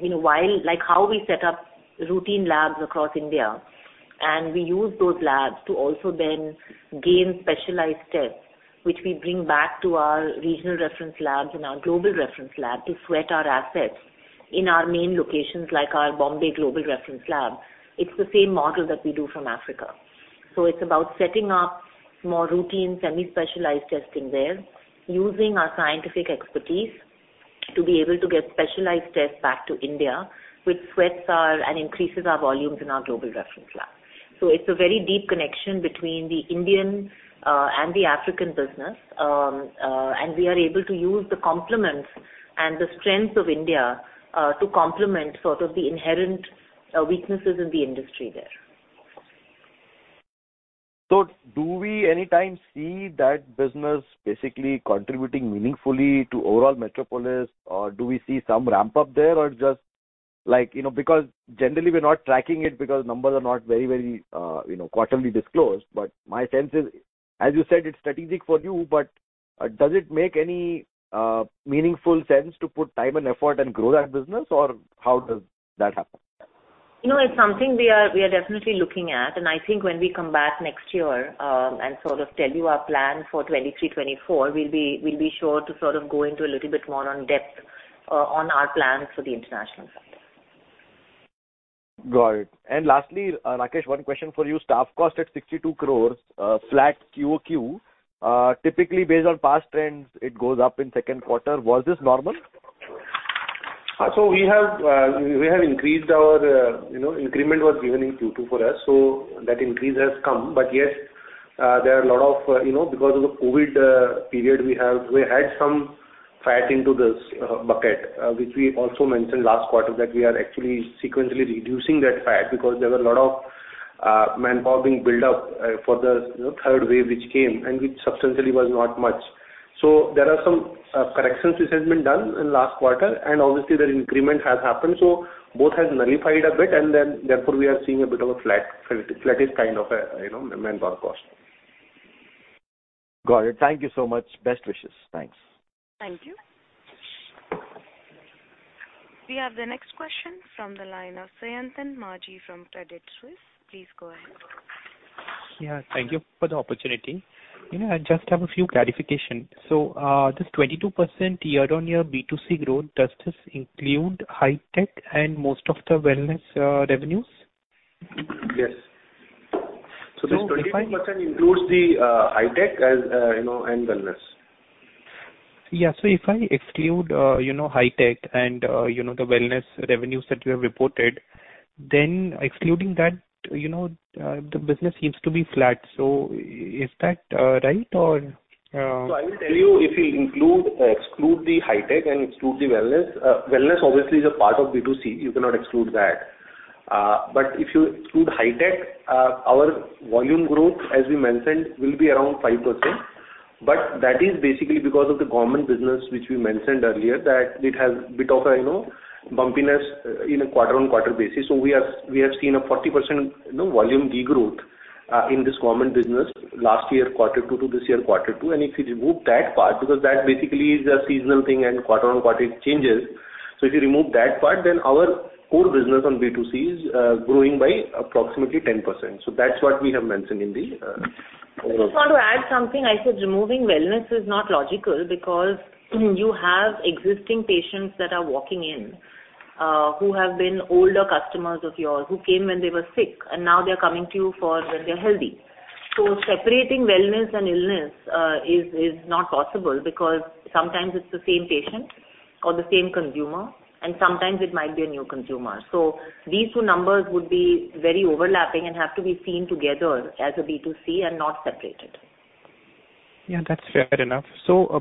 you know, like how we set up routine labs across India, and we use those labs to also then gain specialized tests, which we bring back to our regional reference labs and our Global Reference Lab to sweat our assets in our main locations like our Mumbai Global Reference Lab. It's the same model that we do from Africa. It's about setting up more routine semi-specialized testing there, using our scientific expertise to be able to get specialized tests back to India, which sweats our assets and increases our volumes in our Global Reference Lab. It's a very deep connection between the Indian and the African business. We are able to use the complements and the strengths of India to complement sort of the inherent weaknesses in the industry there. Do we anytime see that business basically contributing meaningfully to overall Metropolis? Or do we see some ramp-up there? Or just like, you know, because generally we're not tracking it because numbers are not very, very, you know, quarterly disclosed. But my sense is, as you said, it's strategic for you, but, does it make any, meaningful sense to put time and effort and grow that business? Or how does that happen? You know, it's something we are definitely looking at, and I think when we come back next year and sort of tell you our plan for 2023, 2024, we'll be sure to sort of go into a little bit more in depth on our plans for the international side. Got it. Lastly, Rakesh, one question for you. Staff cost at 62 crore, flat QOQ. Typically based on past trends, it goes up in second quarter. Was this normal? Yes. We have increased our, you know, increment was given in Q2 for us, so that increase has come. Yes, there are a lot of, you know, because of the COVID period, we had some fat into this bucket, which we also mentioned last quarter that we are actually sequentially reducing that fat because there were a lot of manpower being built up for the, you know, third wave which came and which substantially was not much. There are some corrections which has been done in last quarter, and obviously the increment has happened. Both has nullified a bit, and then therefore we are seeing a bit of a flat, flattish kind of a, you know, manpower cost. Got it. Thank you so much. Best wishes. Thanks. Thank you. We have the next question from the line of Sayantan Maji from Credit Suisse. Please go ahead. Thank you for the opportunity. You know, I just have a few clarification. This 22% year-on-year B2C growth, does this include Hitech and most of the wellness revenues? Yes. This 22% includes the Hitech, as you know, and wellness. Yeah. If I exclude, you know, Hitech and, you know, the wellness revenues that you have reported, then excluding that, you know, the business seems to be flat. Is that right? Or- I will tell you, if you include or exclude the Hitech and exclude the wellness obviously is a part of B2C, you cannot exclude that. If you exclude Hitech, our volume growth, as we mentioned, will be around 5%. That is basically because of the government business, which we mentioned earlier, that it has a bit of a, you know, bumpiness in a quarter-on-quarter basis. We have seen a 40%, you know, volume degrowth in this government business last year quarter two to this year quarter two. If you remove that part, because that basically is a seasonal thing and quarter-on-quarter, it changes. If you remove that part, then our core business on B2C is growing by approximately 10%. That's what we have mentioned in the Just want to add something. I said removing wellness is not logical because you have existing patients that are walking in, who have been older customers of yours, who came when they were sick, and now they're coming to you for when they're healthy. Separating wellness and illness is not possible because sometimes it's the same patient or the same consumer, and sometimes it might be a new consumer. These two numbers would be very overlapping and have to be seen together as a B2C and not separated. Yeah, that's fair enough. You are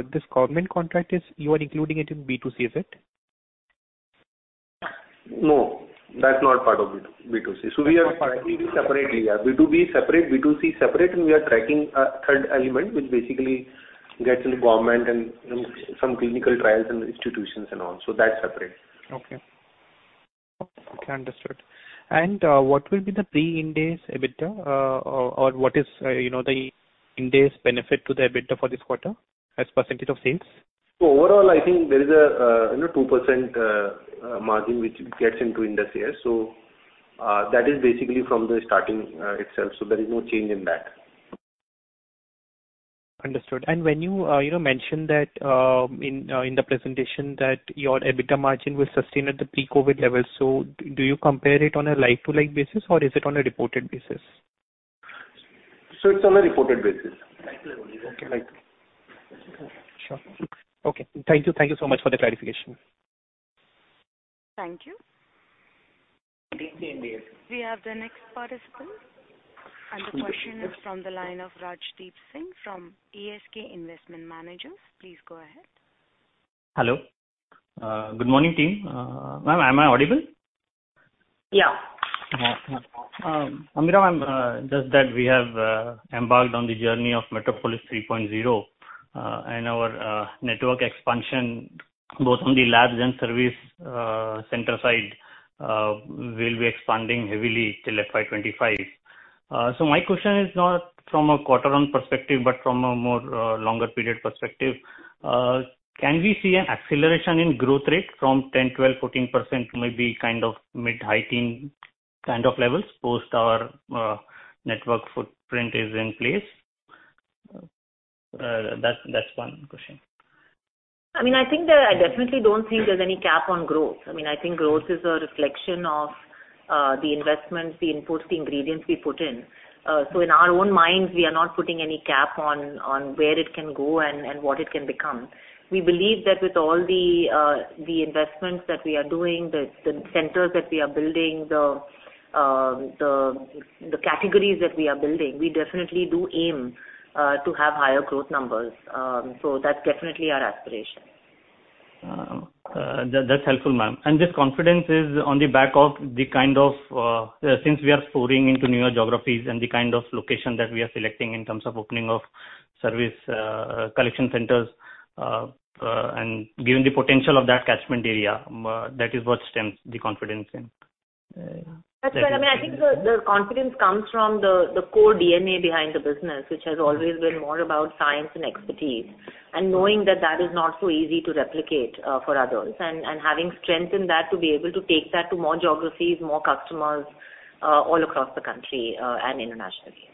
including it in B2C, is it? No, that's not part of B2C. We are tracking separately. B2B is separate, B2C is separate, and we are tracking a third element which basically gets into government and some clinical trials and institutions and all. That's separate. Okay. Understood. What will be the pre-Ind AS EBITDA, or what is, you know, the Ind AS benefit to the EBITDA for this quarter as percentage of sales? Overall, I think there is a you know 2% margin which gets into Ind AS here. That is basically from the starting itself, so there is no change in that. Understood. When you know, mentioned that in the presentation that your EBITDA margin was sustained at the pre-COVID levels. Do you compare it on a like-to-like basis, or is it on a reported basis? It's on a reported basis. Like-for-like. Okay, like, sure. Okay. Thank you. Thank you so much for the clarification. Thank you. We have the next participant, and the question is from the line of Rajdeep Singh from ASK Investment Managers. Please go ahead. Hello. Good morning, team. Ma'am I audible? Yeah. Ameera, just that we have embarked on the journey of Metropolis 3.0, and our network expansion, both on the labs and service center side, will be expanding heavily till FY 2025. My question is not from a quarter-on-quarter perspective, but from a more longer-period perspective. Can we see an acceleration in growth rate from 10, 12, 14%, maybe kind of mid-high teen kind of levels post our network footprint is in place? That's one question. I mean, I think that I definitely don't think there's any cap on growth. I mean, I think growth is a reflection of the investments, the inputs, the ingredients we put in. In our own minds, we are not putting any cap on where it can go and what it can become. We believe that with all the investments that we are doing, the centers that we are building, the categories that we are building, we definitely do aim to have higher growth numbers. That's definitely our aspiration. That's helpful, ma'am. This confidence is on the back of the kind of, since we are soaring into newer geographies and the kind of location that we are selecting in terms of opening of service collection centers and given the potential of that catchment area, that is what stems the confidence in. That's right. I mean, I think the confidence comes from the core DNA behind the business, which has always been more about science and expertise, and knowing that that is not so easy to replicate for others, and having strength in that to be able to take that to more geographies, more customers all across the country, and internationally.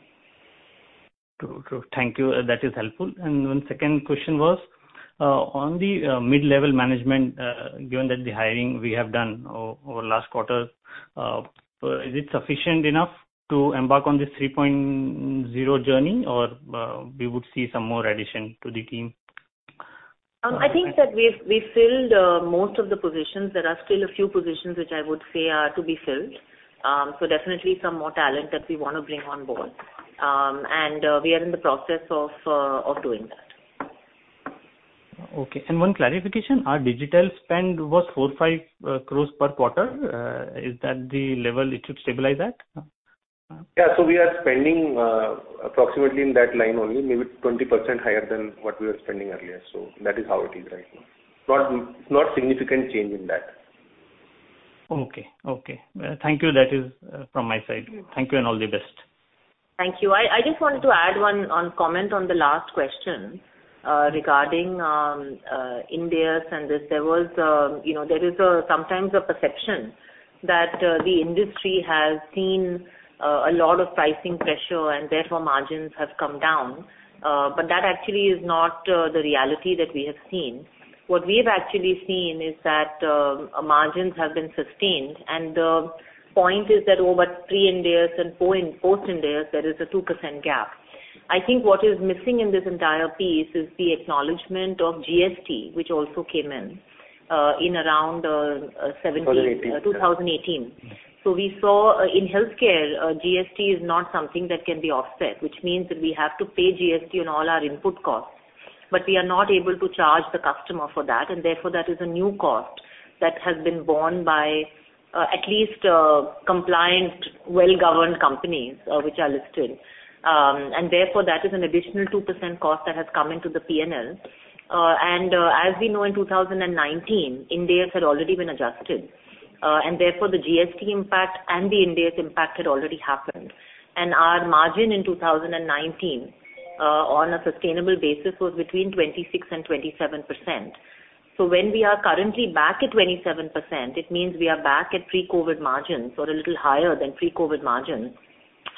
True. True. Thank you. That is helpful. One second question was on the mid-level management, given that the hiring we have done over last quarter, is it sufficient enough to embark on this 3.0 journey, or we would see some more addition to the team? I think that we've filled most of the positions. There are still a few positions which I would say are to be filled. Definitely some more talent that we wanna bring on board. We are in the process of doing that. Okay. One clarification, our digital spend was 4-5 crore per quarter. Is that the level it should stabilize at? We are spending approximately in that line only, maybe 20% higher than what we were spending earlier. That is how it is right now. It's not significant change in that. Okay. Thank you. That is, from my side. Thank you, and all the best. Thank you. I just wanted to add one comment on the last question regarding Ind AS and this. There is sometimes a perception that the industry has seen a lot of pricing pressure and therefore margins have come down. But that actually is not the reality that we have seen. What we've actually seen is that margins have been sustained, and the point is that over pre Ind AS and post Ind AS, there is a 2% gap. I think what is missing in this entire piece is the acknowledgment of GST, which also came in in around 17 2018 2018. We saw in healthcare, GST is not something that can be offset, which means that we have to pay GST on all our input costs. We are not able to charge the customer for that, and therefore that is a new cost that has been borne by at least compliant, well-governed companies which are listed. Therefore that is an additional 2% cost that has come into the P&L. As we know, in 2019, Ind AS had already been adjusted, and therefore the GST impact and the Ind AS impact had already happened. Our margin in 2019, on a sustainable basis, was between 26%-27%. When we are currently back at 27%, it means we are back at pre-COVID margins or a little higher than pre-COVID margins.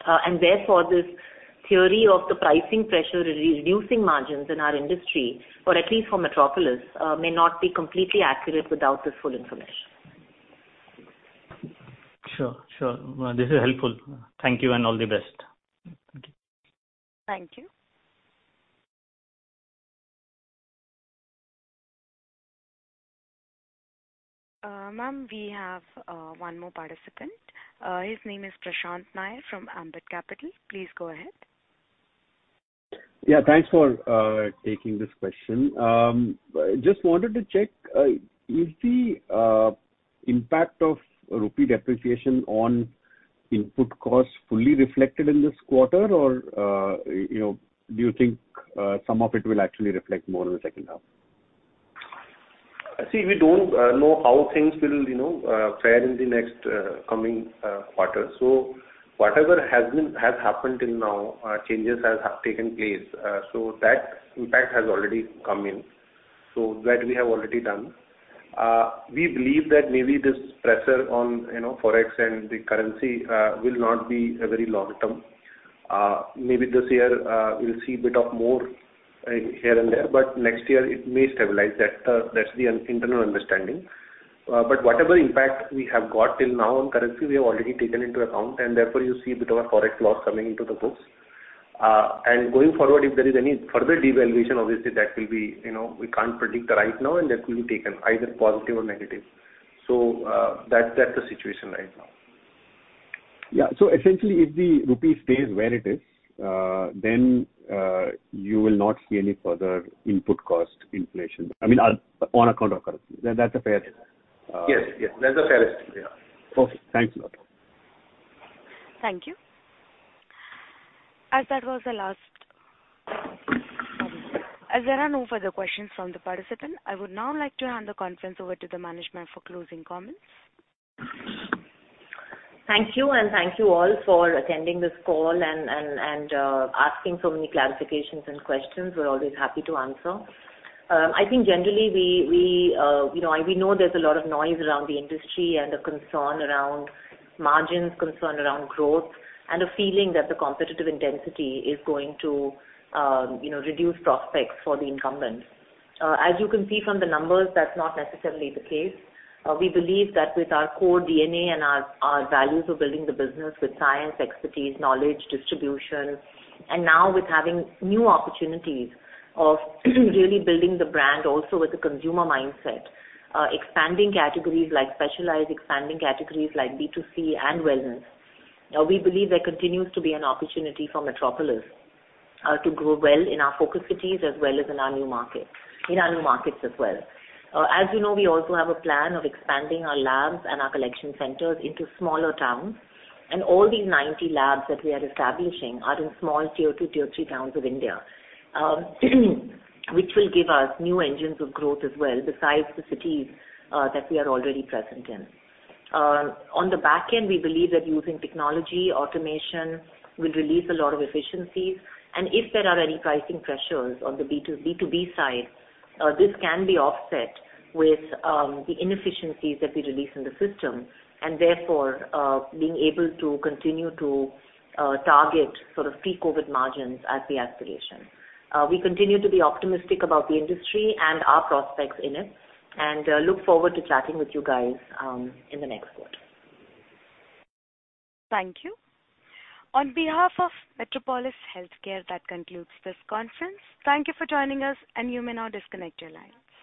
And therefore, this theory of the pricing pressure reducing margins in our industry, or at least for Metropolis, may not be completely accurate without this full information. Sure. This is helpful. Thank you and all the best. Thank you. Thank you. Ma'am, we have one more participant. His name is Prashant Nair from Ambit Capital. Please go ahead. Yeah, thanks for taking this question. Just wanted to check, is the impact of rupee depreciation on input costs fully reflected in this quarter or, you know, do you think some of it will actually reflect more in the second half? See, we don't know how things will, you know, fare in the next coming quarter. Whatever has happened till now, changes has taken place, so that impact has already come in. That we have already done. We believe that maybe this pressure on, you know, Forex and the currency, will not be very long-term. Maybe this year, we'll see a bit more here and there, but next year it may stabilize. That's the internal understanding. Whatever impact we have got till now on currency, we have already taken into account, and therefore you see a bit of a Forex loss coming into the books. Going forward, if there is any further devaluation, obviously, that will be, you know, we can't predict right now, and that will be taken either positive or negative. That's the situation right now. Yeah. Essentially, if the rupee stays where it is, then you will not see any further input cost inflation. I mean, on account of currency. That's a fair. Yes. Yes. That's a fair estimate. Okay. Thanks a lot. Thank you. As there are no further questions from the participant, I would now like to hand the conference over to the management for closing comments. Thank you, and thank you all for attending this call and asking so many clarifications and questions. We're always happy to answer. I think generally we you know we know there's a lot of noise around the industry and a concern around margins, concern around growth, and a feeling that the competitive intensity is going to you know reduce prospects for the incumbents. As you can see from the numbers, that's not necessarily the case. We believe that with our core DNA and our values of building the business with science, expertise, knowledge, distribution, and now with having new opportunities of really building the brand also with a consumer mindset, expanding categories like specialized, expanding categories like B2C and wellness. We believe there continues to be an opportunity for Metropolis to grow well in our focus cities as well as in our new markets as well. As you know, we also have a plan of expanding our labs and our collection centers into smaller towns. All these 90 labs that we are establishing are in small tier two, tier three towns of India, which will give us new engines of growth as well besides the cities that we are already present in. On the back end, we believe that using technology, automation will release a lot of efficiencies. If there are any pricing pressures on the B2B side, this can be offset with the inefficiencies that we release in the system, and therefore, being able to continue to target sort of pre-COVID margins as the aspiration. We continue to be optimistic about the industry and our prospects in it, and look forward to chatting with you guys in the next quarter. Thank you. On behalf of Metropolis Healthcare, that concludes this conference. Thank you for joining us, and you may now disconnect your line.